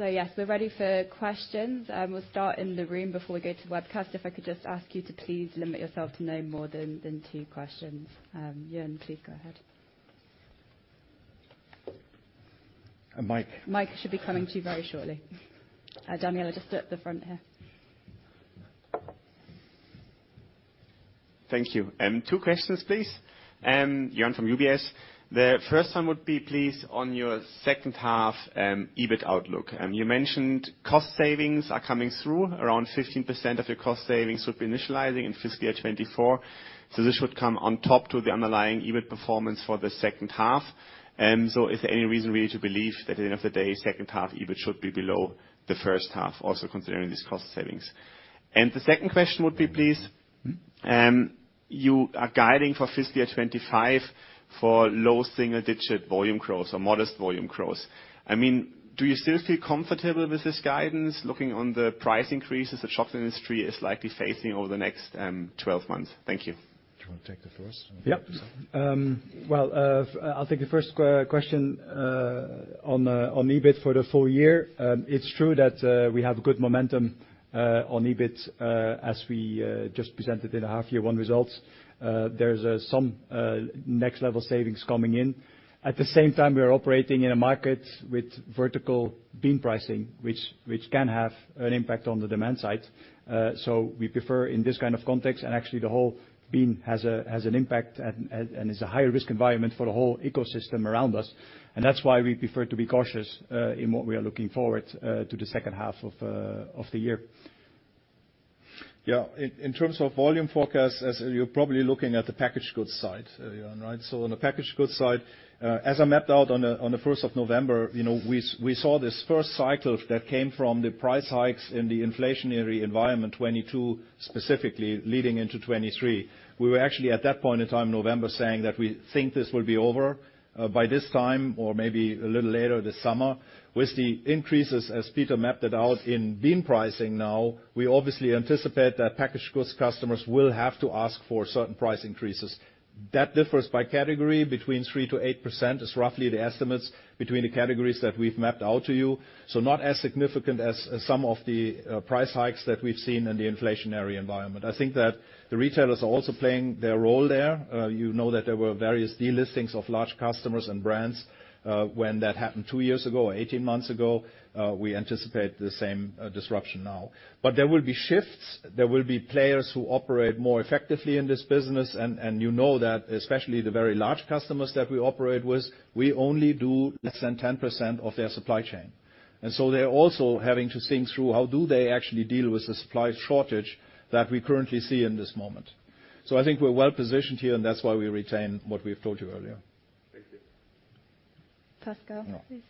So yes, we're ready for questions. We'll start in the room before we go to webcast. If I could just ask you to please limit yourself to no more than two questions. Jørn, please go ahead. And Mike. Mike should be coming to you very shortly. Daniel, I'll just sit at the front here. Thank you. Two questions, please. Jørn from UBS. The first one would be, please, on your second half EBIT outlook. You mentioned cost savings are coming through. Around 15% of your cost savings would be materializing in fiscal year 2024, so this would come on top of the underlying EBIT performance for the second half. So is there any reason really to believe that at the end of the day, second half EBIT should be below the first half, also considering these cost savings? The second question would be, please. You are guiding for fiscal year 2025 for low single-digit volume growth or modest volume growth. I mean, do you still feel comfortable with this guidance looking on the price increases the chocolate industry is likely facing over the next 12 months? Thank you. Do you want to take the first? Yeah. Well, I'll take the first question on EBIT for the full year. It's true that we have good momentum on EBIT, as we just presented in the half year one results. There's some next-level savings coming in. At the same time, we are operating in a market with vertical bean pricing which can have an impact on the demand side. So we prefer in this kind of context, and actually, the whole bean has an impact and is a higher-risk environment for the whole ecosystem around us, and that's why we prefer to be cautious in what we are looking forward to the second half of the year. Yeah. In terms of volume forecast, as you're probably looking at the packaged goods side, Jørn, right? So on the packaged goods side, as I mapped out on the 1st of November, you know, we saw this first cycle that came from the price hikes in the inflationary environment 2022 specifically leading into 2023. We were actually at that point in time, November, saying that we think this will be over by this time or maybe a little later this summer. With the increases, as Peter mapped it out, in bean pricing now, we obviously anticipate that packaged goods customers will have to ask for certain price increases. That differs by category. Between 3%-8% is roughly the estimates between the categories that we've mapped out to you, so not as significant as some of the price hikes that we've seen in the inflationary environment. I think that the retailers are also playing their role there. You know that there were various delistings of large customers and brands when that happened two years ago or 18 months ago. We anticipate the same disruption now. But there will be shifts. There will be players who operate more effectively in this business, and you know that, especially the very large customers that we operate with, we only do less than 10% of their supply chain. And so they're also having to think through how do they actually deal with the supply shortage that we currently see in this moment. So I think we're well-positioned here, and that's why we retain what we've told you earlier. Thank you. Pasco, please.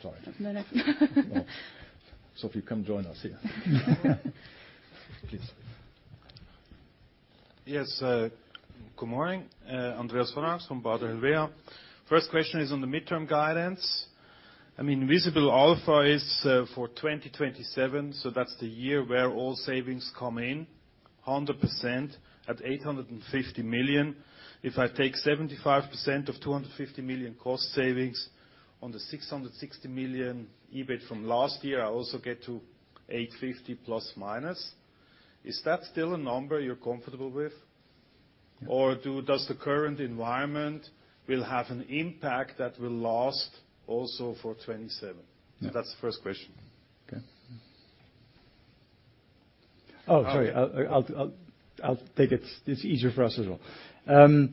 Sorry. That's my next. So if you come join us here, please. Yes. Good morning. Andreas von Arx from Baader Helvea. First question is on the midterm guidance. I mean, Visible Alpha is, for 2027, so that's the year where all savings come in 100% at 850 million. If I take 75% of 250 million cost savings on the 660 million EBIT from last year, I also get to 850 plus-minus. Is that still a number you're comfortable with, or do does the current environment will have an impact that will last also for 2027? So that's the first question. Okay. Oh, sorry. I'll take it. It's easier for us as well.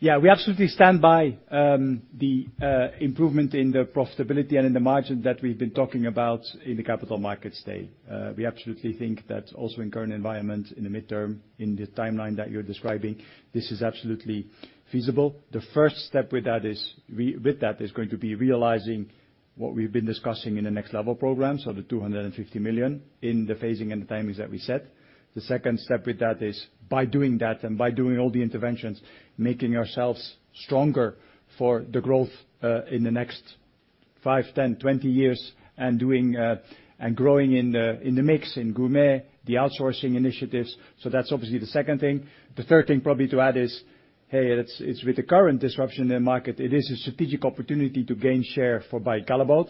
Yeah, we absolutely stand by the improvement in the profitability and in the margin that we've been talking about in the Capital Markets Day. We absolutely think that also in current environment, in the midterm, in the timeline that you're describing, this is absolutely feasible. The first step with that is going to be realizing what we've been discussing in the next level program, so the 250 million in the phasing and the timings that we set. The second step with that is by doing that and by doing all the interventions, making ourselves stronger for the growth, in the next five, 10, 20 years and doing and growing in the mix, in gourmet, the outsourcing initiatives. So that's obviously the second thing. The third thing probably to add is, hey, it's with the current disruption in the market, it is a strategic opportunity to gain share for Barry Callebaut,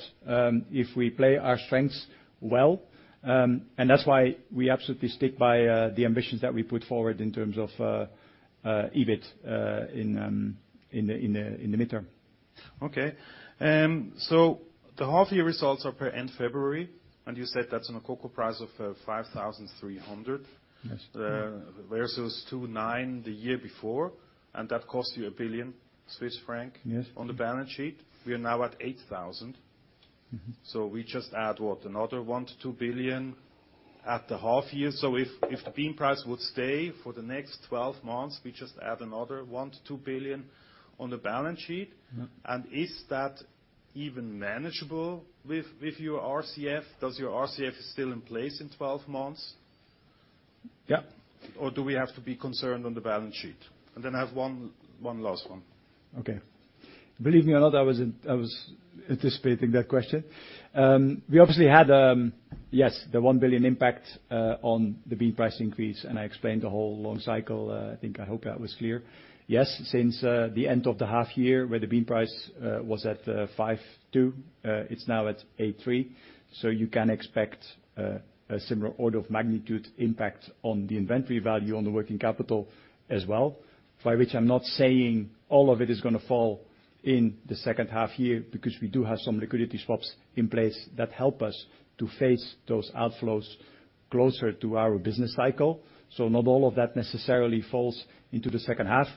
if we play our strengths well. And that's why we absolutely stick by the ambitions that we put forward in terms of EBIT in the midterm. Okay. So the half year results are per end February, and you said that's on a cocoa price of 5,300. Yes. Versus 2,900 the year before, and that cost you 1 billion Swiss franc. Yes. On the balance sheet, we are now at 8,000. Mm-hmm. So we just add, what, another 1-2 billion at the half year. So if the bean price would stay for the next 12 months, we just add another 1-2 billion on the balance sheet. Yeah. Is that even manageable with your RCF? Does your RCF still in place in 12 months? Yeah. Or do we have to be concerned on the balance sheet? I have one last one. Okay. Believe me or not, I was anticipating that question. We obviously had, yes, the 1 billion impact on the bean price increase, and I explained the whole long cycle. I think I hope that was clear. Yes, since the end of the half year where the bean price was at $5,200, it's now at $8,300. So you can expect a similar order of magnitude impact on the inventory value, on the working capital as well, by which I'm not saying all of it is going to fall in the second half year because we do have some liquidity swaps in place that help us to face those outflows closer to our business cycle. So not all of that necessarily falls into the second half.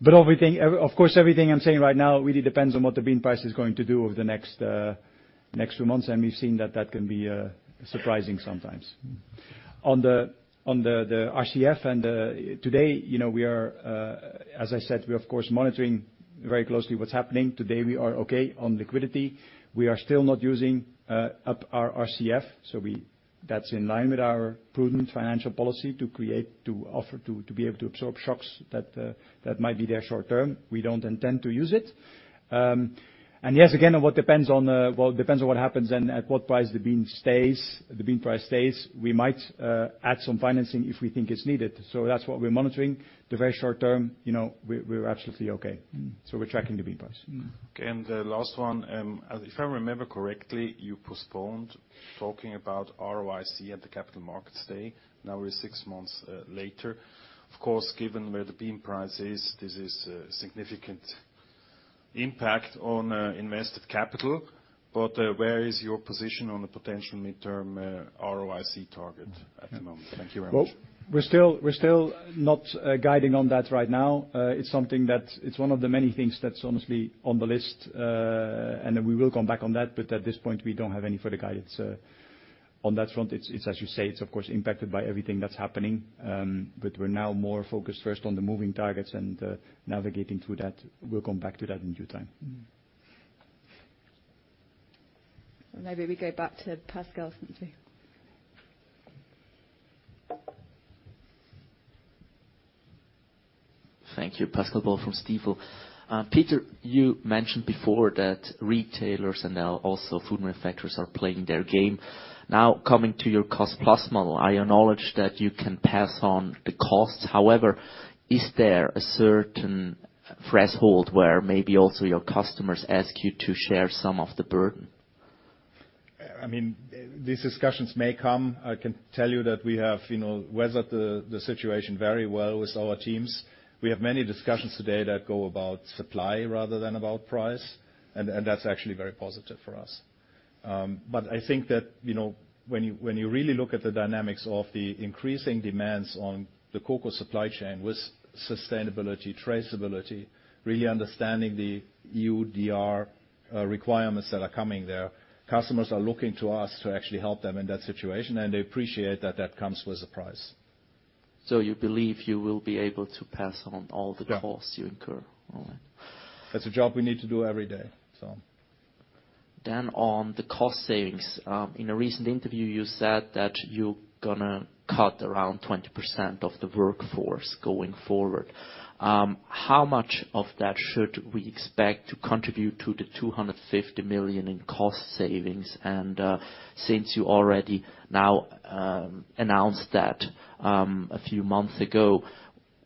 But everything, of course, everything I'm saying right now really depends on what the bean price is going to do over the next few months, and we've seen that that can be surprising sometimes. On the RCF and today, you know, we are, as I said, we're, of course, monitoring very closely what's happening. Today, we are okay on liquidity. We are still not using up our RCF, so that's in line with our prudent financial policy to create buffer to be able to absorb shocks that might be there short-term. We don't intend to use it. And yes, again, on what it depends on, well, it depends on what happens and at what price the bean price stays, we might add some financing if we think it's needed. So that's what we're monitoring. In the very short term, you know, we're absolutely okay. So we're tracking the bean price. Okay. And the last one, if I remember correctly, you postponed talking about ROIC at the capital markets day. Now we're six months later. Of course, given where the bean price is, this is a significant impact on invested capital. But where is your position on the potential mid-term ROIC target at the moment? Thank you very much. Well, we're still not guiding on that right now. It's something that's honestly on the list, and we will come back on that, but at this point, we don't have any further guidance on that front. It's, as you say, it's of course impacted by everything that's happening, but we're now more focused first on the moving targets and navigating through that. We'll come back to that in due time. Maybe we go back to Pasco, since we. Thank you. Pascal Boll from Stifel. Peter, you mentioned before that retailers and now also food manufacturers are playing their game. Now coming to your cost-plus model, I acknowledge that you can pass on the costs. However, is there a certain threshold where maybe also your customers ask you to share some of the burden? I mean, these discussions may come. I can tell you that we have, you know, weathered the situation very well with our teams. We have many discussions today that go about supply rather than about price, and that's actually very positive for us. But I think that, you know, when you really look at the dynamics of the increasing demands on the cocoa supply chain with sustainability, traceability, really understanding the EUDR, requirements that are coming there, customers are looking to us to actually help them in that situation, and they appreciate that that comes with a price. So you believe you will be able to pass on all the costs you incur. Yeah. That's a job we need to do every day, so. Then on the cost savings, in a recent interview, you said that you're going to cut around 20% of the workforce going forward. How much of that should we expect to contribute to the 250 million in cost savings? And since you already now announced that a few months ago,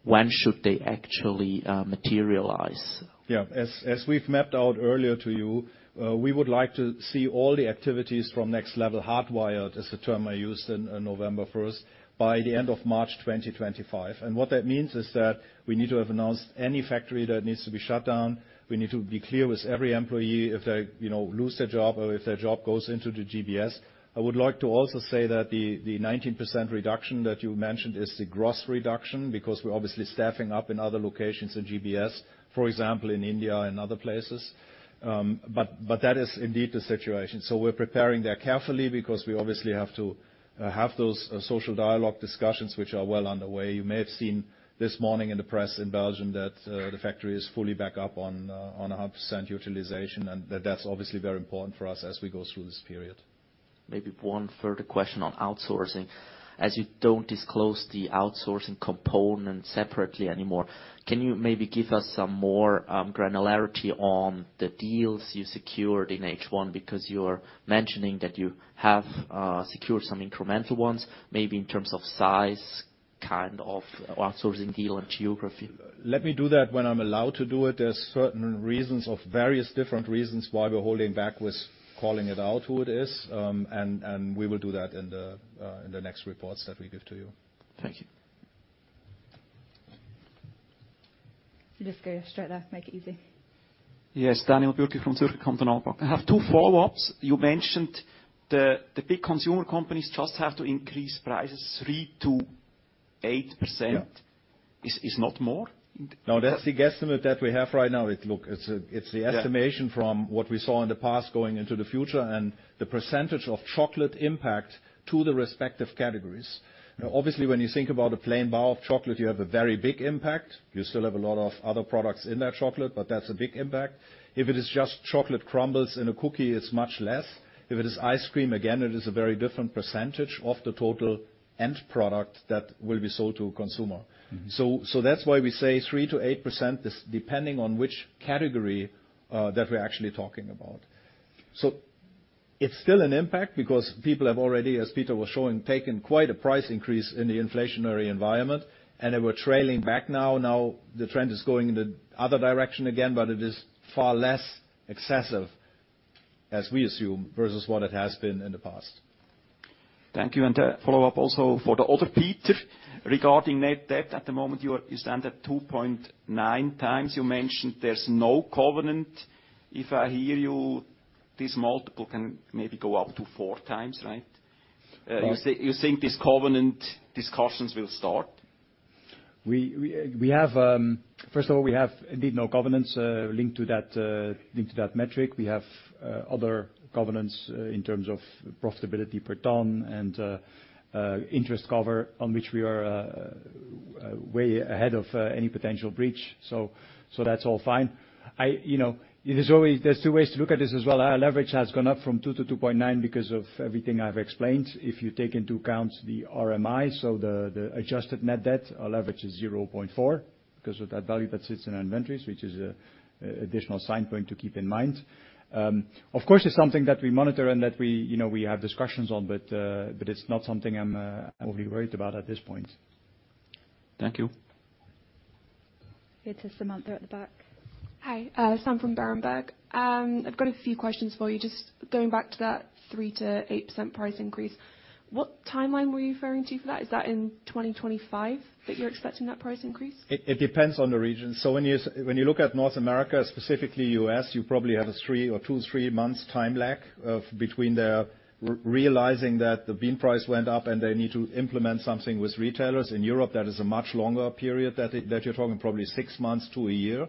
when should they actually materialize? Yeah. As we've mapped out earlier to you, we would like to see all the activities from Next Level hardwired, is the term I used on November 1st, by the end of March 2025. And what that means is that we need to have announced any factory that needs to be shut down. We need to be clear with every employee if they, you know, lose their job or if their job goes into the GBS. I would like to also say that the, the 19% reduction that you mentioned is the gross reduction because we're obviously staffing up in other locations in GBS, for example, in India and other places. But that is indeed the situation. So we're preparing there carefully because we obviously have to, have those, social dialogue discussions which are well underway. You may have seen this morning in the press in Belgium that, the factory is fully back up on, on 100% utilization, and that that's obviously very important for us as we go through this period. Maybe one further question on outsourcing. As you don't disclose the outsourcing component separately anymore, can you maybe give us some more, granularity on the deals you secured in H1 because you're mentioning that you have, secured some incremental ones, maybe in terms of size, kind of, outsourcing deal, and geography? Let me do that when I'm allowed to do it. There's certain reasons of various different reasons why we're holding back with calling it out who it is, and we will do that in the next reports that we give to you. Thank you. You just go straight there. Make it easy. Yes. Daniel Bürki from Zürcher Kantonalbank. I have two follow-ups. You mentioned the big consumer companies just have to increase prices 3%-8%. Yeah. Is not more? No, that's the guesstimate that we have right now. It look it's a it's the estimation from what we saw in the past going into the future and the percentage of chocolate impact to the respective categories. Obviously, when you think about a plain bar of chocolate, you have a very big impact. You still have a lot of other products in that chocolate, but that's a big impact. If it is just chocolate crumbles in a cookie, it's much less. If it is ice cream, again, it is a very different percentage of the total end product that will be sold to a consumer. So that's why we say 3%-8% is depending on which category, that we're actually talking about. So it's still an impact because people have already, as Peter was showing, taken quite a price increase in the inflationary environment, and they were trailing back now. Now, the trend is going in the other direction again, but it is far less excessive, as we assume, versus what it has been in the past. Thank you. And a follow-up also for the other Peter regarding net debt. At the moment, you stand at 2.9 times. You mentioned there's no covenant. If I hear you, this multiple can maybe go up to 4x, right? You say you think these covenant discussions will start? We have, first of all, we have indeed no covenants linked to that metric. We have other covenants in terms of profitability per ton and interest cover on which we are way ahead of any potential breach. So that's all fine. You know, it is always there's two ways to look at this as well. Our leverage has gone up from 2 to 2.9 because of everything I've explained. If you take into account the RMI, so the adjusted net debt, our leverage is 0.4 because of that value that sits in our inventories, which is an additional signpost to keep in mind. Of course, it's something that we monitor and that we, you know, we have discussions on, but, but it's not something I'm, I'm overly worried about at this point. Thank you. Here's Samantha at the back. Hi. Sam from Berenberg. I've got a few questions for you. Just going back to that 3%-8% price increase, what timeline were you referring to for that? Is that in 2025 that you're expecting that price increase? It, it depends on the region. So when you when you look at North America, specifically U.S., you probably have a 2-3 months time lag, between their realizing that the bean price went up and they need to implement something with retailers. In Europe, that is a much longer period that it that you're talking, probably 6 months to a year.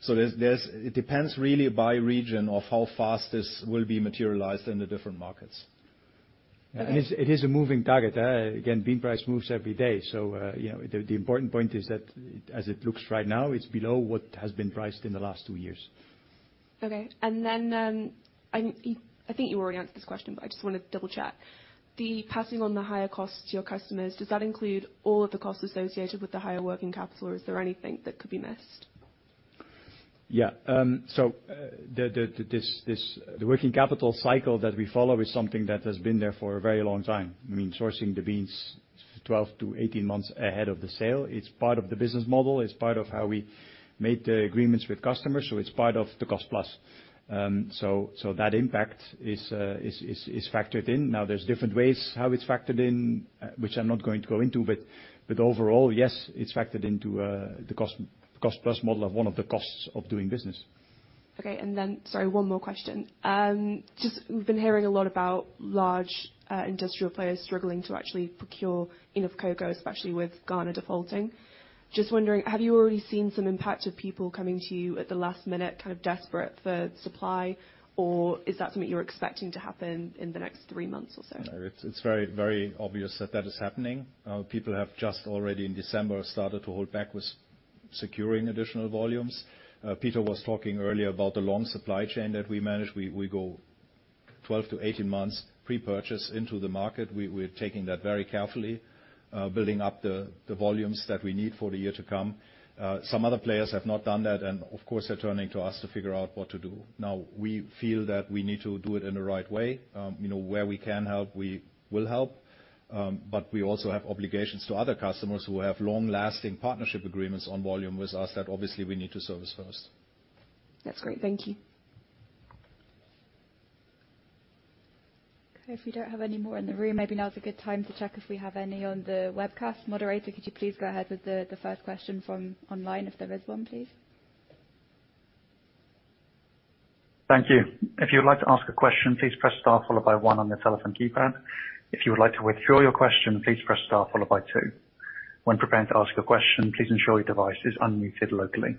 So it depends really by region of how fast this will be materialized in the different markets. And it's a moving target. Again, bean price moves every day, so you know, the important point is that as it looks right now, it's below what has been priced in the last 2 years. Okay. And then, I think you already answered this question, but I just want to double-check. The passing on the higher costs to your customers, does that include all of the costs associated with the higher working capital, or is there anything that could be missed? Yeah. So, the working capital cycle that we follow is something that has been there for a very long time. I mean, sourcing the beans 12-18 months ahead of the sale, it's part of the business model. It's part of how we made the agreements with customers, so it's part of the cost-plus. So that impact is factored in. Now, there's different ways how it's factored in, which I'm not going to go into, but overall, yes, it's factored into the cost-plus model as one of the costs of doing business. Okay. And then, sorry, one more question. Just, we've been hearing a lot about large, industrial players struggling to actually procure enough cocoa, especially with Ghana defaulting. Just wondering, have you already seen some impact of people coming to you at the last minute, kind of desperate for supply, or is that something you're expecting to happen in the next three months or so? No. It's very, very obvious that that is happening. People have just already in December started to hold back with securing additional volumes. Peter was talking earlier about the long supply chain that we manage. We go 12-18 months pre-purchase into the market. We're taking that very carefully, building up the volumes that we need for the year to come. Some other players have not done that, and of course, they're turning to us to figure out what to do. Now, we feel that we need to do it in the right way. You know, where we can help, we will help. But we also have obligations to other customers who have long-lasting partnership agreements on volume with us that obviously we need to service first. That's great. Thank you. Okay. If we don't have any more in the room, maybe now's a good time to check if we have any on the webcast. Moderator, could you please go ahead with the first question from online if there is one, please? Thank you. If you would like to ask a question, please press star followed by one on your telephone keypad. If you would like to withdraw your question, please press star followed by two. When preparing to ask a question, please ensure your device is unmuted locally.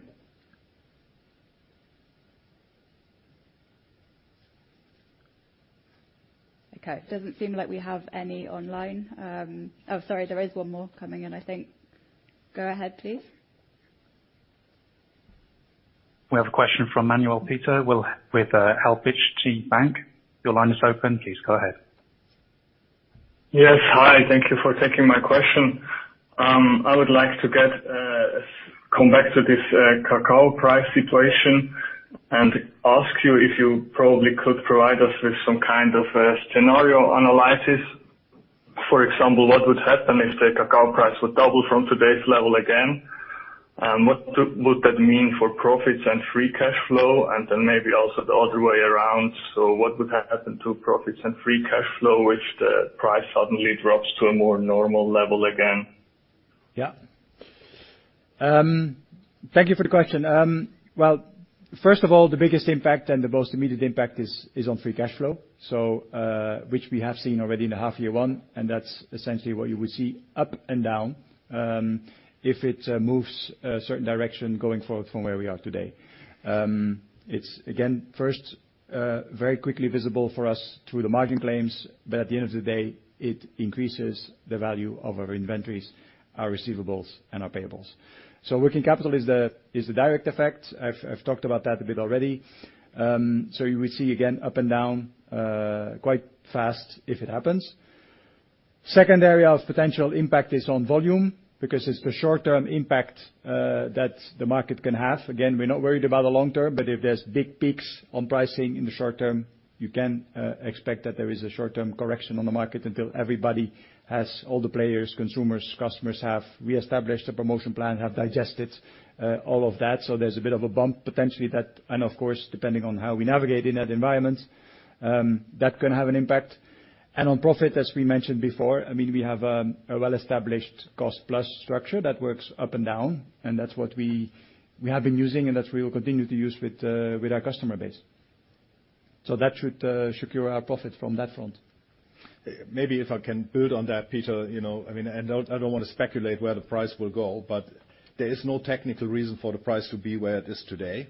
Okay. It doesn't seem like we have any online. Oh, sorry. There is one more coming in, I think. Go ahead, please. We have a question from Manuel Peter with HSBC. Your line is open. Please go ahead. Yes. Hi. Thank you for taking my question. I would like to come back to this cocoa price situation and ask you if you probably could provide us with some kind of a scenario analysis. For example, what would happen if the cocoa price would double from today's level again? What would that mean for profits and free cash flow, and then maybe also the other way around? So what would happen to profits and free cash flow if the price suddenly drops to a more normal level again? Yeah. Thank you for the question. Well, first of all, the biggest impact and the most immediate impact is on free cash flow, so, which we have seen already in the half-year one, and that's essentially what you would see up and down, if it moves certain direction going forward from where we are today. It's, again, first, very quickly visible for us through the margin calls, but at the end of the day, it increases the value of our inventories, our receivables, and our payables. So working capital is the direct effect. I've talked about that a bit already. So you would see, again, up and down quite fast if it happens. Second area of potential impact is on volume because it's the short-term impact that the market can have. Again, we're not worried about the long term, but if there's big peaks on pricing in the short term, you can expect that there is a short-term correction on the market until everybody, all the players, consumers, customers, have reestablished the promotion plan, have digested all of that. So there's a bit of a bump potentially, and of course, depending on how we navigate in that environment, that can have an impact. On profit, as we mentioned before, I mean, we have a well-established cost-plus structure that works up and down, and that's what we have been using, and that's what we will continue to use with our customer base. So that should secure our profit from that front. Maybe if I can build on that, Peter, you know, I mean, and I don't want to speculate where the price will go, but there is no technical reason for the price to be where it is today.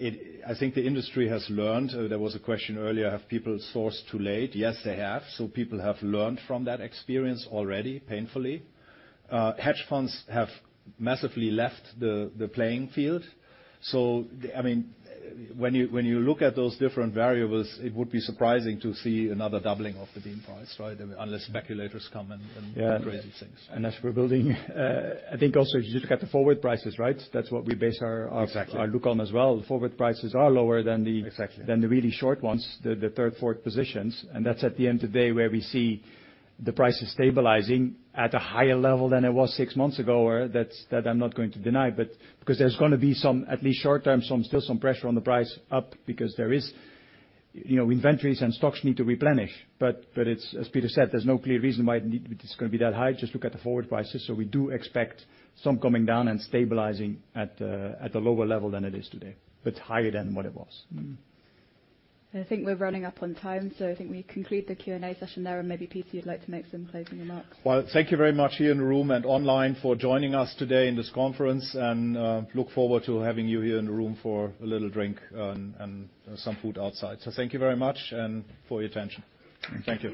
I think the industry has learned. There was a question earlier. Have people sourced too late? Yes, they have. So people have learned from that experience already, painfully. Hedge funds have massively left the playing field. So, I mean, when you look at those different variables, it would be surprising to see another doubling of the bean price, right, unless speculators come and do crazy things. Yeah. And as we're building, I think also, if you look at the forward prices, right, that's what we base our look on as well. Forward prices are lower than the really short ones, the third, fourth positions, and that's at the end of the day where we see the price is stabilizing at a higher level than it was six months ago, or that's that I'm not going to deny, but because there's going to be some at least short-term, still some pressure on the price up because there is you know, inventories and stocks need to replenish, but it's as Peter said, there's no clear reason why it need it's going to be that high. Just look at the forward prices. So we do expect some coming down and stabilizing at a lower level than it is today, but higher than what it was. I think we're running up on time, so I think we conclude the Q&A session there, and maybe Peter, you'd like to make some closing remarks. Well, thank you very much here in the room and online for joining us today in this conference, and look forward to having you here in the room for a little drink and some food outside. So thank you very much and for your attention. Thank you.